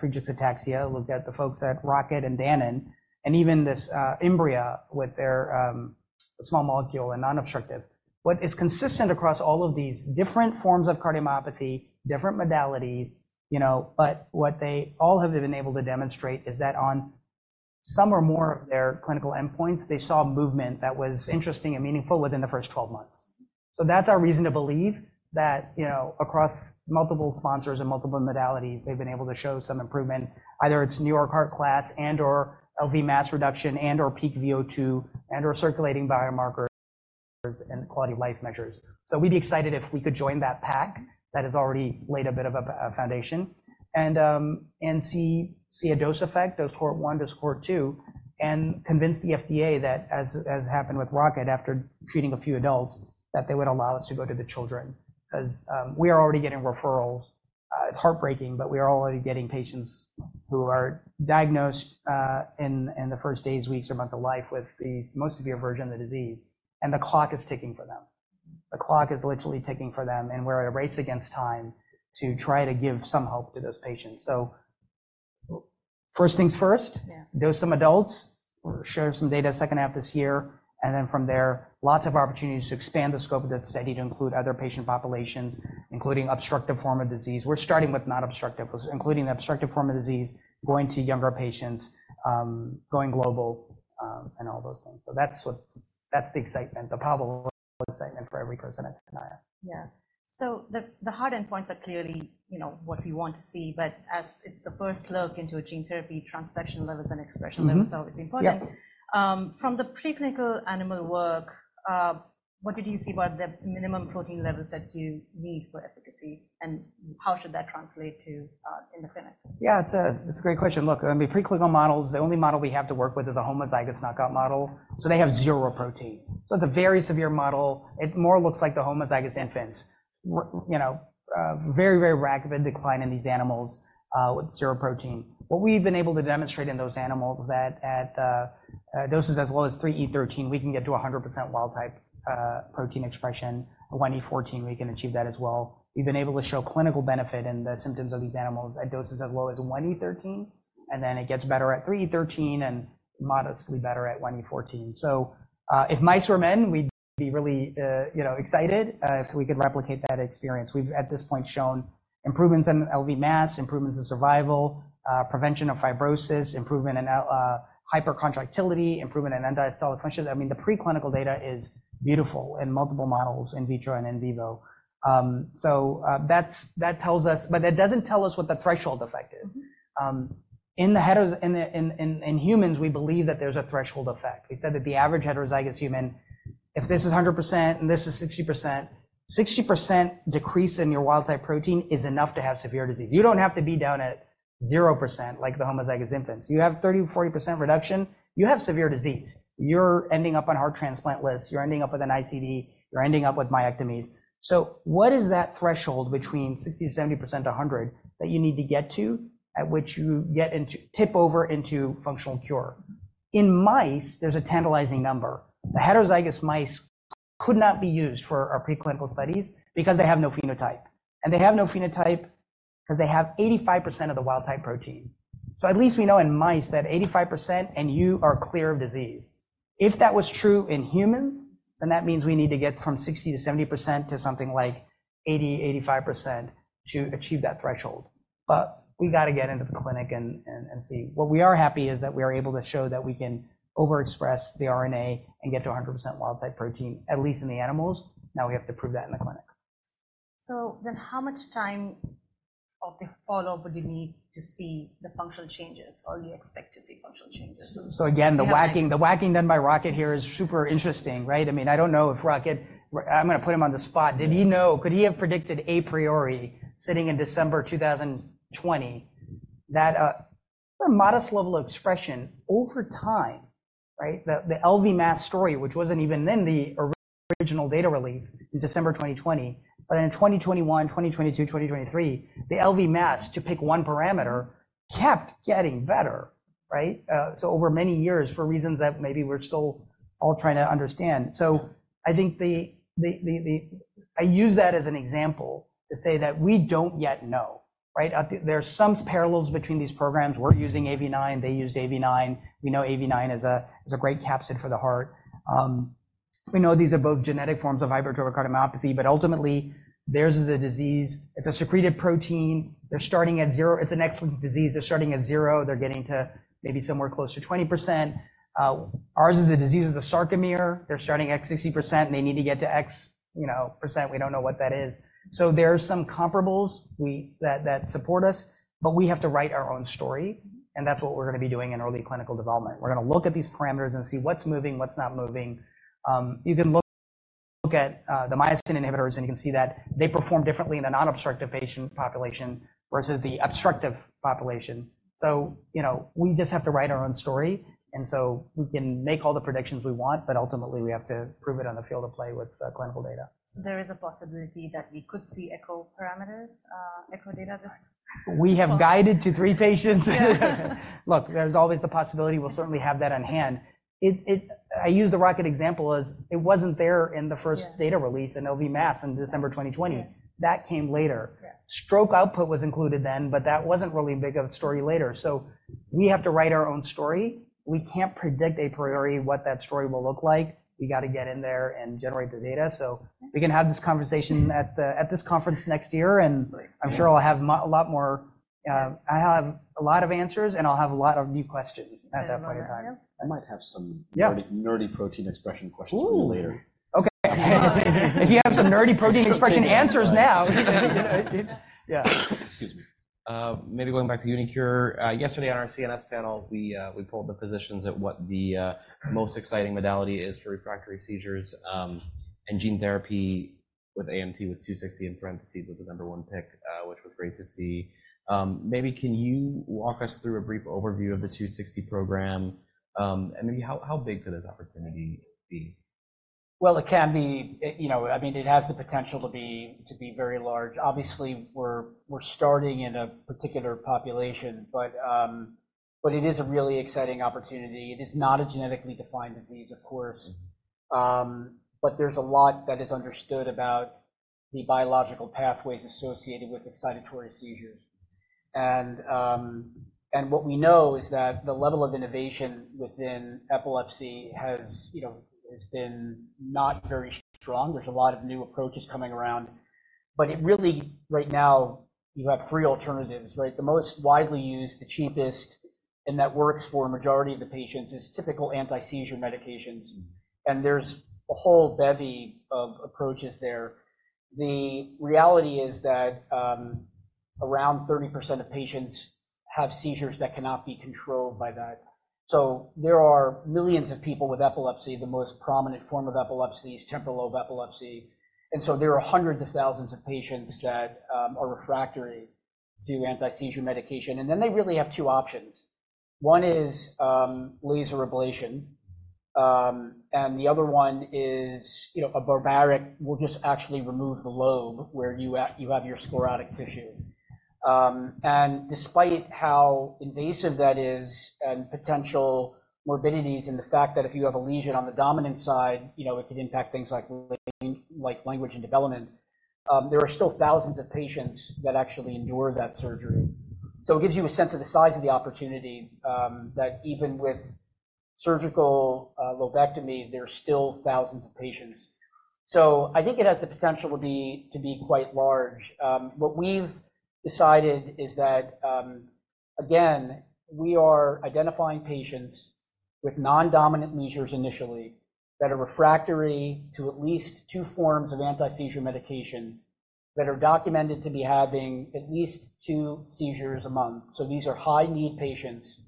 Friedreich's ataxia, look at the folks at Rocket and Danon, and even this Imbria, with their small molecule and non-obstructive. What is consistent across all of these different forms of cardiomyopathy, different modalities, you know, but what they all have been able to demonstrate is that on some or more of their clinical endpoints, they saw movement that was interesting and meaningful within the first 12 months. So that's our reason to believe that, you know, across multiple sponsors and multiple modalities, they've been able to show some improvement. Either it's New York Heart class and/or LV mass reduction, and/or peak VO2, and/or circulating biomarkers and quality of life measures. So we'd be excited if we could join that pack that has already laid a bit of a foundation and see a dose effect, dose cohort one to cohort two, and convince the FDA that as happened with Rocket after treating a few adults, that they would allow us to go to the children, cause we are already getting referrals. It's heartbreaking, but we are already getting patients who are diagnosed in the first days, weeks, or month of life with this most severe version of the disease, and the clock is ticking for them. The clock is literally ticking for them, and we're at a race against time to try to give some hope to those patients. First things first, dose some adults, share some data second half this year, and then from there, lots of opportunities to expand the scope of that study to include other patient populations, including obstructive form of disease. We're starting with non-obstructive, including the obstructive form of disease, going to younger patients, going global, and all those things. So that's what's, that's the excitement, the probable excitement for every person at Tenaya. Yeah. So the hard endpoints are clearly, you know, what we want to see, but as it's the first look into a gene therapy, transfection levels and expression levels are always important. Yep. From the preclinical animal work, what did you see were the minimum protein levels that you need for efficacy, and how should that translate to in the clinic? Yeah, it's a great question. Look, I mean, preclinical models, the only model we have to work with is a homozygous knockout model, so they have zero protein. So it's a very severe model. It more looks like the homozygous infants. You know, very, very rapid decline in these animals with zero protein. What we've been able to demonstrate in those animals is that at doses as well as 3E13, we can get to 100% wild type protein expression. At 1E14, we can achieve that as well. We've been able to show clinical benefit in the symptoms of these animals at doses as well as 1E13, and then it gets better at 3E13 and modestly better at 1E14. So, if mice were men, we'd be really, you know, excited, if we could replicate that experience. We've, at this point, shown improvements in LV mass, improvements in survival, prevention of fibrosis, improvement in, hypercontractility, improvement in end-diastolic function. I mean, the preclinical data is beautiful in multiple models, in vitro and in vivo. So, that doesn't tell us what the threshold effect is. In humans, we believe that there's a threshold effect. We said that the average heterozygous human, if this is 100% and this is 60%, 60% decrease in your wild type protein is enough to have severe disease. You don't have to be down at 0% like the homozygous infants. You have 30, 40% reduction, you have severe disease. You're ending up on heart transplant list, you're ending up with an ICD, you're ending up with myectomies. So what is that threshold between 60%,70% to 100%, that you need to get to, at which you get into tip over into functional cure? In mice, there's a tantalizing number. The heterozygous mice could not be used for our preclinical studies because they have no phenotype, and they have no phenotype because they have 85% of the wild type protein. So at least we know in mice that 85% and you are clear of disease. If that was true in humans, then that means we need to get from 60%-70% to something like 80%, 85% to achieve that threshold. But we got to get into the clinic and see. What we are happy is that we are able to show that we can overexpress the RNA and get to 100% wild type protein, at least in the animals. Now, we have to prove that in the clinic. So then how much time of the follow-up would you need to see the functional changes, or you expect to see functional changes? So again, the whacking, the whacking done by Rocket here is super interesting, right? I mean, I don't know if Rocket—I'm gonna put him on the spot. Did he know—Could he have predicted a priori, sitting in December 2020, that, a modest level of expression over time, right? The LV mass story, which wasn't even in the original data release in December 2020, but in 2021, 2022, 2023, the LV mass, to pick one parameter, kept getting better, right? So over many years, for reasons that maybe we're still all trying to understand. So I think I use that as an example to say that we don't yet know, right? There are some parallels between these programs. We're using AAV9, they used AAV9. We know AAV9 is a great capsid for the heart. We know these are both genetic forms of hypertrophic cardiomyopathy, but ultimately, theirs is a disease. It's a secreted protein. They're starting at zero. It's an X-linked disease. They're starting at zero, they're getting to maybe somewhere close to 20%. Ours is a disease of the sarcomere. They're starting at 60%, and they need to get to x, you know, percent. We don't know what that is. So there are some comparables that support us, but we have to write our own story, and that's what we're gonna be doing in early clinical development. We're gonna look at these parameters and see what's moving, what's not moving. You can look at the myosin inhibitors, and you can see that they perform differently in a non-obstructive patient population versus the obstructive population. So, you know, we just have to write our own story, and so we can make all the predictions we want, but ultimately, we have to prove it on the field of play with clinical data. There is a possibility that we could see echo parameters, echo data this- We have guided to three patients. Yeah. Look, there's always the possibility we'll certainly have that on hand. I use the Rocket example as it wasn't there in the first data release in LV mass in December 2020. That came later. Stroke output was included then, but that wasn't really a big of a story later. So we have to write our own story. We can't predict a priori what that story will look like. We got to get in there and generate the data. So we can have this conversation at this conference next year, and I'm sure I'll have a lot more. I'll have a lot of answers, and I'll have a lot of new questions at that point in time. And another one here. I might have some- Yeah... nerdy, nerdy protein expression questions for you later. Oh. Okay. If you have some nerdy protein expression answers now. Yeah. Excuse me. Maybe going back to uniQure, yesterday on our CNS panel, we polled the physicians at what the most exciting modality is for refractory seizures, and gene therapy with AMT-260 was the number one pick, which was great to see. Maybe can you walk us through a brief overview of the AMT-260 program, and maybe how, how big could this opportunity be? Well, it can be, you know, I mean, it has the potential to be, to be very large. Obviously, we're, we're starting in a particular population, but, but it is a really exciting opportunity. It is not a genetically defined disease, of course, but there's a lot that is understood about the biological pathways associated with excitatory seizures. And, and what we know is that the level of innovation within epilepsy has, you know, has been not very strong. There's a lot of new approaches coming around, but it really, right now, you have three alternatives, right? The most widely used, the cheapest, and that works for a majority of the patients, is typical anti-seizure medications, and there's a whole bevy of approaches there. The reality is that, around 30% of patients have seizures that cannot be controlled by that. So there are millions of people with epilepsy. The most prominent form of epilepsy is temporal lobe epilepsy, and so there are hundreds of thousands of patients that are refractory to anti-seizure medication, and then they really have two options. One is laser ablation, and the other one is, you know, a barbaric, we'll just actually remove the lobe where you have your sclerotic tissue. And despite how invasive that is and potential morbidities, and the fact that if you have a lesion on the dominant side, you know, it could impact things like language and development, there are still thousands of patients that actually endure that surgery. So it gives you a sense of the size of the opportunity, that even with surgical lobectomy, there are still thousands of patients. So I think it has the potential to be quite large. What we've decided is that, again, we are identifying patients with non-dominant seizures initially, that are refractory to at least two forms of anti-seizure medication, that are documented to be having at least two seizures a month. So these are high-need patients,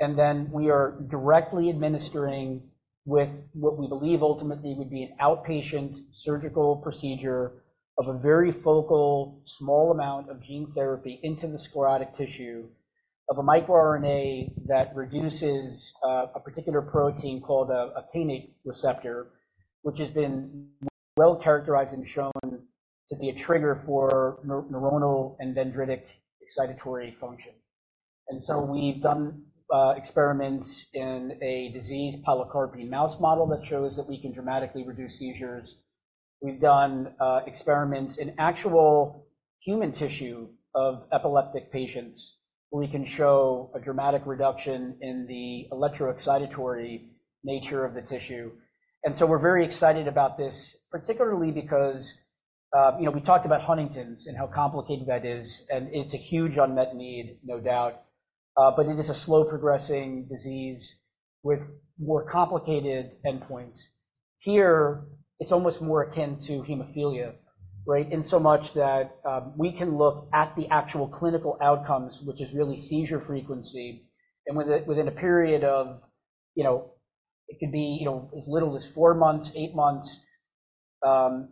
and then we are directly administering with what we believe ultimately would be an outpatient surgical procedure of a very focal, small amount of gene therapy into the sclerotic tissue of a microRNA that reduces a particular protein called a [GRIK2] receptor, which has been well-characterized and shown to be a trigger for neuronal and dendritic excitatory function. And so we've done experiments in a disease pilocarpine mouse model that shows that we can dramatically reduce seizures. We've done experiments in actual human tissue of epileptic patients, where we can show a dramatic reduction in the electroexcitatory nature of the tissue. And so we're very excited about this, particularly because, you know, we talked about Huntington's and how complicated that is, and it's a huge unmet need, no doubt. But it is a slow progressing disease with more complicated endpoints. Here, it's almost more akin to hemophilia, right? In so much that, we can look at the actual clinical outcomes, which is really seizure frequency, and within a period of, you know, it could be, you know, as little as four months, eight months,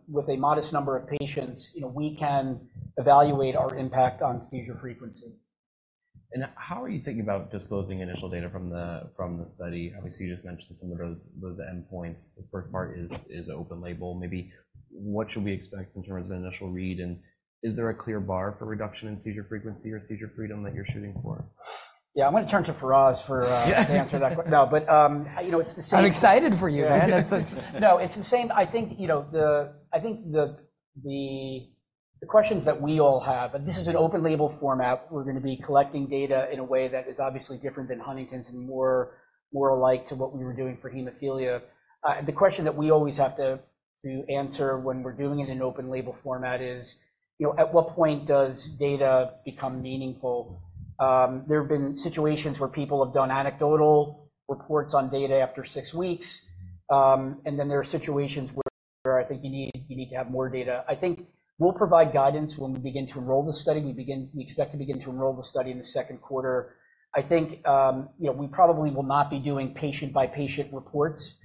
with a modest number of patients, you know, we can evaluate our impact on seizure frequency. How are you thinking about disclosing initial data from the study? Obviously, you just mentioned some of those endpoints. The first part is open label. Maybe what should we expect in terms of the initial read, and is there a clear bar for reduction in seizure frequency or seizure freedom that you're shooting for? Yeah, I'm gonna turn to Faraz to answer that. No, but you know, it's the same- I'm excited for you, Matt. No, it's the same. I think, you know, I think the questions that we all have, and this is an open-label format, we're gonna be collecting data in a way that is obviously different than Huntington's and more alike to what we were doing for hemophilia. And the question that we always have to answer when we're doing it in open-label format is, you know, at what point does data become meaningful? There have been situations where people have done anecdotal reports on data after six weeks, and then there are situations where I think you need to have more data. I think we'll provide guidance when we begin to enroll the study. We expect to begin to enroll the study in the second quarter. I think, you know, we probably will not be doing patient-by-patient reports,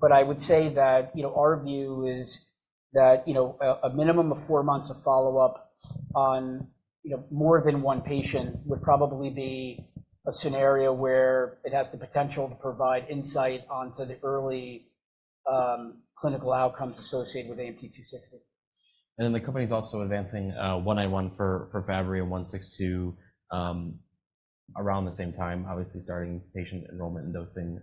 but I would say that, you know, our view is that, you know, a minimum of four months of follow-up on, you know, more than one patient would probably be a scenario where it has the potential to provide insight onto the early, clinical outcomes associated with AMT-260. And then the company is also advancing AMT-191 for Fabry and AMT-162 around the same time, obviously, starting patient enrollment and dosing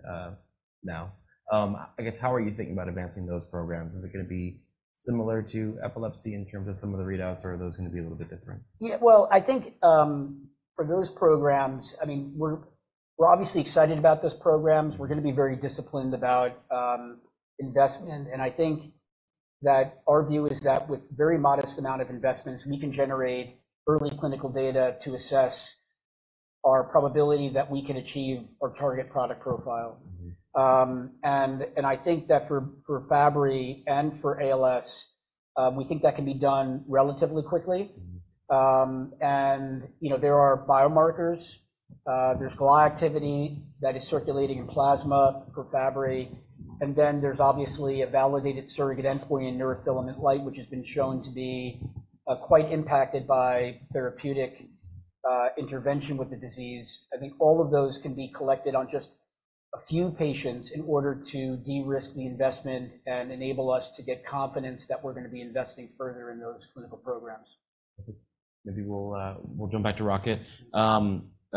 now. I guess, how are you thinking about advancing those programs? Is it gonna be similar to epilepsy in terms of some of the readouts, or are those gonna be a little bit different? Yeah, well, I think, for those programs, I mean, we're, we're obviously excited about those programs. We're gonna be very disciplined about, investment, and I think that our view is that with very modest amount of investments, we can generate early clinical data to assess our probability that we can achieve our target product profile. And, and I think that for, for Fabry and for ALS, we think that can be done relatively quickly. And, you know, there are biomarkers, there's GLA activity that is circulating in plasma for Fabry, and then there's obviously a validated surrogate endpoint in neurofilament light, which has been shown to be, quite impacted by therapeutic, intervention with the disease. I think all of those can be collected on just a few patients in order to de-risk the investment and enable us to get confidence that we're gonna be investing further in those clinical programs. Maybe we'll jump back to Rocket. The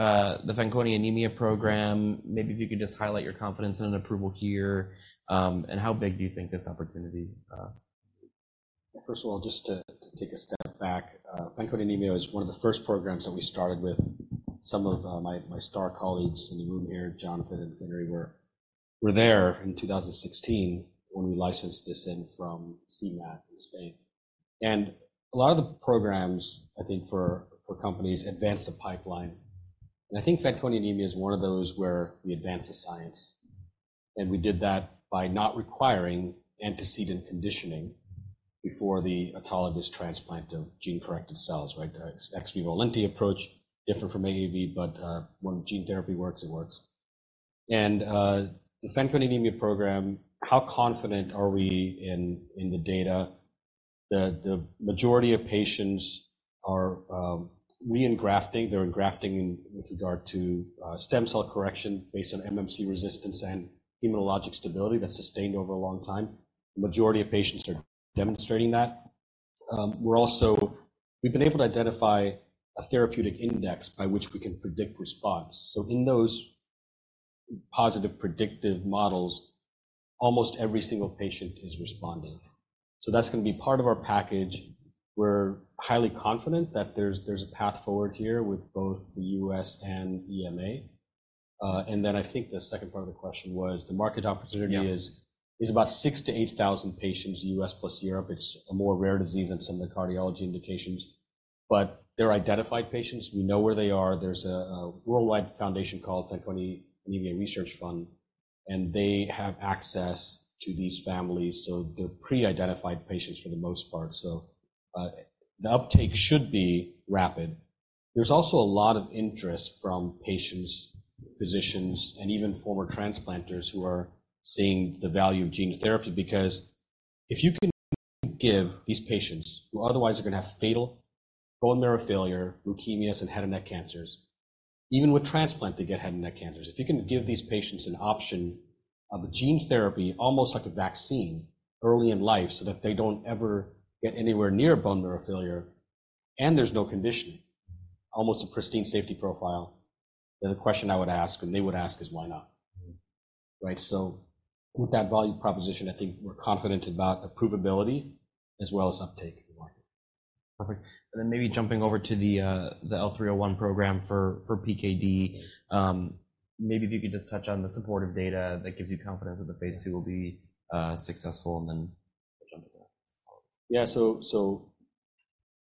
Fanconi anemia program, maybe if you could just highlight your confidence in an approval here, and how big do you think this opportunity? First of all, just to take a step back, Fanconi anemia is one of the first programs that we started with some of my star colleagues in the room here, Jonathan and Henry, were there in 2016 when we licensed this in from CIEMAT in Spain. A lot of the programs, I think, for companies advance the pipeline, and I think Fanconi anemia is one of those where we advance the science. We did that by not requiring antecedent conditioning before the autologous transplant of gene-corrected cells, right? Ex vivo Lenti approach, different from AAV, but when gene therapy works, it works. The Fanconi anemia program, how confident are we in the data? The majority of patients are re-engrafting. They're engrafting in with regard to stem cell correction based on MMC resistance and immunologic stability that's sustained over a long time. The majority of patients are demonstrating that. We've been able to identify a therapeutic index by which we can predict response. So in those positive predictive models, almost every single patient is responding. So that's gonna be part of our package. We're highly confident that there's a path forward here with both the U.S. and EMA. And then I think the second part of the question was the market opportunity is about 6,000-8,000 patients, U.S. plus Europe. It's a more rare disease than some of the cardiology indications, but they're identified patients. We know where they are. There's a worldwide foundation called Fanconi Anemia Research Fund, and they have access to these families, so they're pre-identified patients for the most part. So, the uptake should be rapid. There's also a lot of interest from patients, physicians, and even former transplanters who are seeing the value of gene therapy, because if you can give these patients, who otherwise are gonna have fatal bone marrow failure, leukemias and head and neck cancers, even with transplant, they get head and neck cancers. If you can give these patients an option of a gene therapy, almost like a vaccine, early in life, so that they don't ever get anywhere near bone marrow failure, and there's no conditioning, almost a pristine safety profile, then the question I would ask, and they would ask, is why not? Right. So with that value proposition, I think we're confident about approvability as well as uptake in the market. Perfect. And then maybe jumping over to the L301 program for PKD. Maybe if you could just touch on the supportive data that gives you confidence that the phase II will be successful, and then- Yeah, so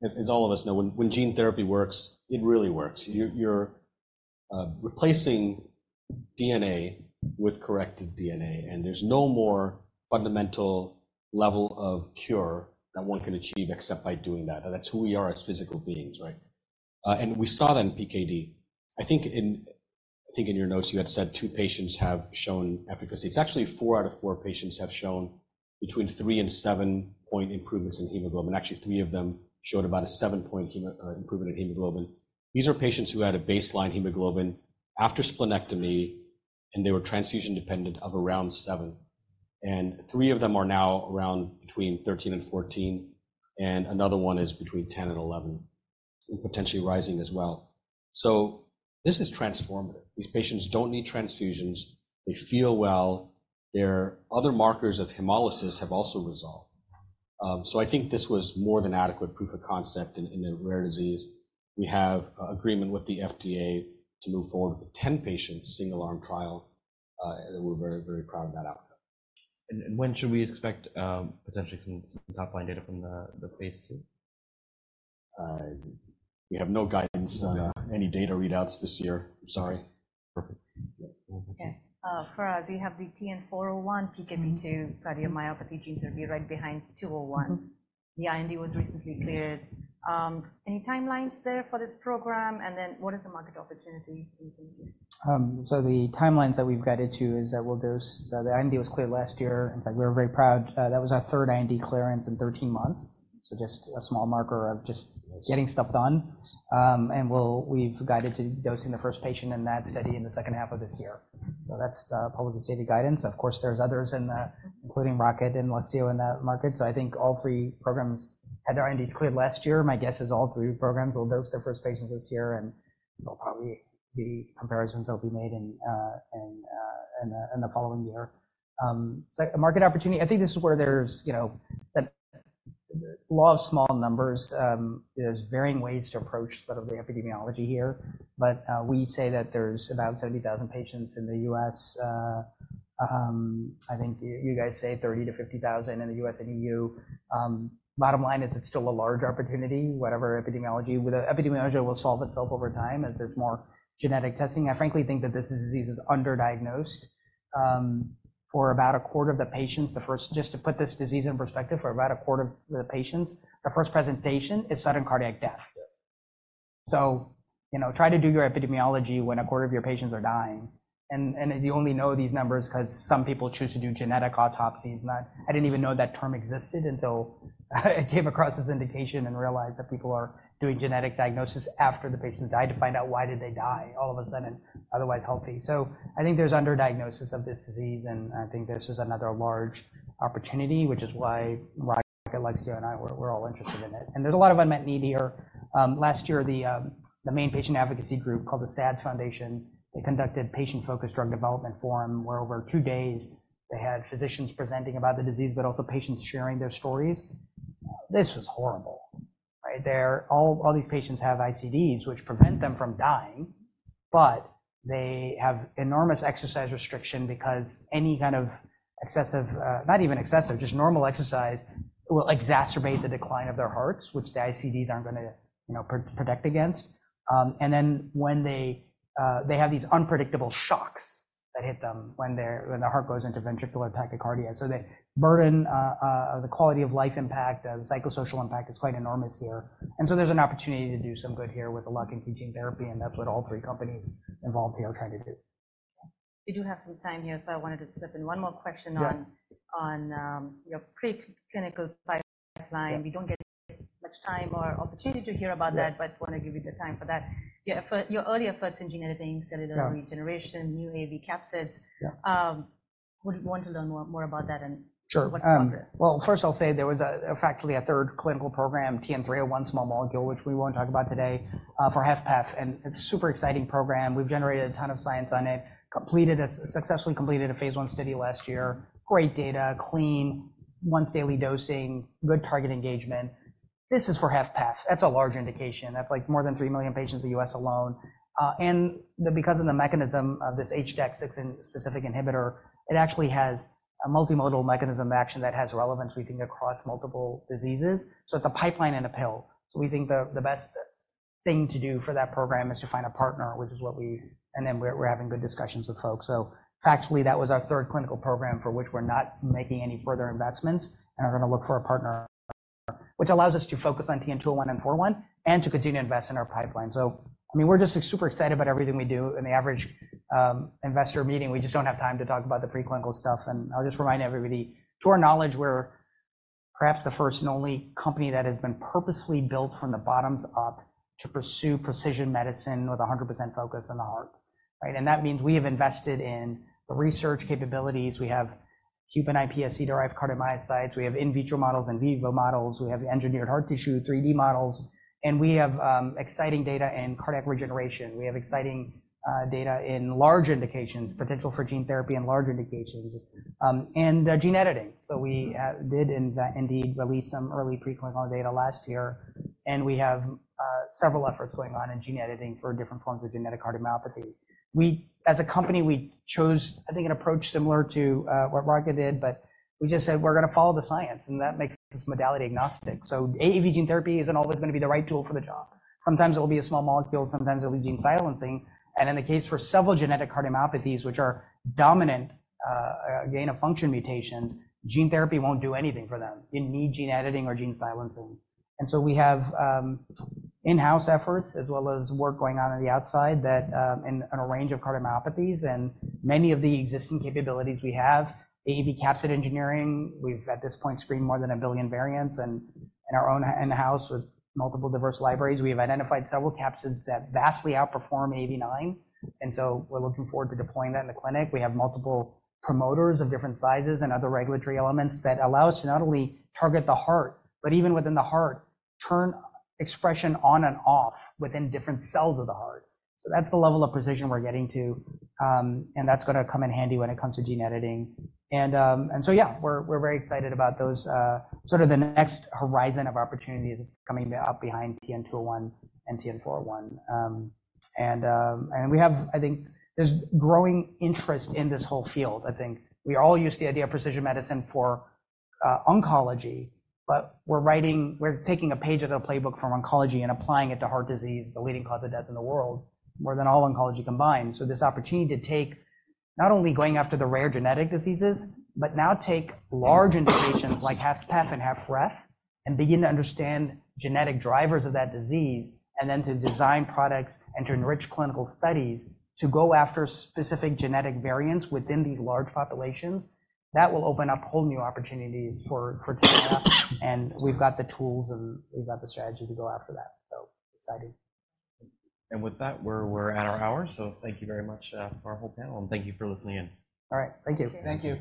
as all of us know, when gene therapy works, it really works. You're replacing DNA with corrected DNA, and there's no more fundamental level of cure that one can achieve except by doing that. That's who we are as physical beings, right? And we saw that in PKD. I think in your notes, you had said two patients have shown efficacy. It's actually four out of four patients have shown between 3- and 7-point improvements in hemoglobin. Actually, three of them showed about a 7-point improvement in hemoglobin. These are patients who had a baseline hemoglobin after splenectomy, and they were transfusion dependent of around 7, and three of them are now around between 13 and 14, and another one is between 10 and 11, and potentially rising as well. So this is transformative. These patients don't need transfusions. They feel well. Their other markers of hemolysis have also resolved. So, I think this was more than adequate proof of concept in a rare disease. We have an agreement with the FDA to move forward with a 10-patient, single-arm trial, and we're very, very proud of that outcome. When should we expect potentially some top-line data from the phase II? We have no guidance on any data readouts this year. Sorry. Perfect. Okay. For us, we have the TN-401 PKP2 cardiomyopathy, which will be right behind TN-201. The IND was recently cleared. Any timelines there for this program, and then what is the market opportunity in ARVC? So the timelines that we've guided to is that we'll dose. So the IND was cleared last year. In fact, we're very proud. That was our third IND clearance in 13 months, so just a small marker of just getting stuff done. And we've guided to dosing the first patient in that study in the second half of this year. So that's the public stated guidance. Of course, there's others in the, including Rocket and Lexeo in that market. So I think all three programs had their INDs cleared last year. My guess is all three programs will dose their first patients this year, and there'll probably be comparisons that will be made in, in the following year. So market opportunity, I think this is where there's, you know, a law of small numbers. There's varying ways to approach sort of the epidemiology here, but, we say that there's about 70,000 patients in the U.S. I think you, you guys say 30,000-50,000 in the U.S. and E.U. Bottom line is it's still a large opportunity, whatever epidemiology. With the epidemiology will solve itself over time as there's more genetic testing. I frankly think that this disease is underdiagnosed. For about a quarter of the patients, the first. Just to put this disease in perspective, for about a quarter of the patients, the first presentation is sudden cardiac death. So, you know, try to do your epidemiology when a quarter of your patients are dying, and, and you only know these numbers because some people choose to do genetic autopsies. I didn't even know that term existed until I came across this indication and realized that people are doing genetic diagnosis after the patient died to find out why did they die all of a sudden and otherwise healthy. So I think there's underdiagnosis of this disease, and I think this is another large opportunity, which is why Rocket, Lexeo, and I, we're all interested in it. And there's a lot of unmet need here. Last year, the main patient advocacy group called the SADS Foundation, they conducted patient-focused drug development forum, where over two days they had physicians presenting about the disease, but also patients sharing their stories. This was horrible, right? All these patients have ICDs, which prevent them from dying, but they have enormous exercise restriction because any kind of excessive, not even excessive, just normal exercise, will exacerbate the decline of their hearts, which the ICDs aren't gonna, you know, protect against. And then when they have these unpredictable shocks that hit them when their heart goes into ventricular tachycardia. So the burden of the quality of life impact, the psychosocial impact is quite enormous here. And so there's an opportunity to do some good here with the AAV and gene therapy, and that's what all three companies involved here are trying to do. We do have some time here, so I wanted to slip in one more question on your preclinical pipeline. We don't get much time or opportunity to hear about that, but want to give you the time for that. Yeah, for your early efforts in gene editing, cellular regeneration, new AAV capsids would want to learn more about that and what progress? Well, first, I'll say there was factually a third clinical program, TN-301, small molecule, which we won't talk about today, for HFpEF, and it's super exciting program. We've generated a ton of science on it, successfully completed a phase I study last year, great data, clean, once daily dosing, good target engagement. This is for HFpEF. That's a large indication. That's, like, more than 3 million patients in the U.S. alone. And because of the mechanism of this HDAC6 specific inhibitor, it actually has a multimodal mechanism of action that has relevance, we think, across multiple diseases. So it's a pipeline in a pill. So we think the best thing to do for that program is to find a partner, which is what we, and then we're having good discussions with folks. So factually, that was our third clinical program for which we're not making any further investments, and we're gonna look for a partner, which allows us to focus on TN-201 and TN-401, and to continue to invest in our pipeline. So, I mean, we're just super excited about everything we do. In the average investor meeting, we just don't have time to talk about the preclinical stuff. And I'll just remind everybody, to our knowledge, we're perhaps the first and only company that has been purposefully built from the bottoms up to pursue precision medicine with a 100% focus on the heart, right? And that means we have invested in the research capabilities. We have human iPSC-derived cardiomyocytes. We have in vitro models and in vivo models. We have engineered heart tissue, 3D models, and we have exciting data in cardiac regeneration. We have exciting data in large indications, potential for gene therapy in large indications, and gene editing. So we did indeed release some early preclinical data last year, and we have several efforts going on in gene editing for different forms of genetic cardiomyopathy. We, as a company, we chose, I think, an approach similar to what Rocket did, but we just said, "We're gonna follow the science," and that makes us modality agnostic. So AAV gene therapy isn't always gonna be the right tool for the job. Sometimes it'll be a small molecule, sometimes it'll be gene silencing. And in the case for several genetic cardiomyopathies, which are dominant, gain-of-function mutations, gene therapy won't do anything for them. You need gene editing or gene silencing. So we have in-house efforts, as well as work going on on the outside, that in on a range of cardiomyopathies, and many of the existing capabilities we have, AAV capsid engineering, we've at this point screened more than 1 billion variants, and in our own in-house, with multiple diverse libraries, we have identified several capsids that vastly outperform 89, and so we're looking forward to deploying that in the clinic. We have multiple promoters of different sizes and other regulatory elements that allow us to not only target the heart, but even within the heart, turn expression on and off within different cells of the heart. That's the level of precision we're getting to, and that's gonna come in handy when it comes to gene editing. And so yeah, we're very excited about those sort of the next horizon of opportunity that's coming up behind TN-201 and TN-401. And we have. I think there's growing interest in this whole field, I think. We all use the idea of precision medicine for oncology, but we're writing. We're taking a page out of the playbook from oncology and applying it to heart disease, the leading cause of death in the world, more than all oncology combined. So this opportunity to take, not only going after the rare genetic diseases, but now take large indications like HFpEF and HFrEF, and begin to understand genetic drivers of that disease, and then to design products and to enrich clinical studies, to go after specific genetic variants within these large populations, that will open up whole new opportunities for Tenaya. We've got the tools, and we've got the strategy to go after that, so excited. With that, we're at our hour, so thank you very much to our whole panel, and thank you for listening in. All right. Thank you. Thank you.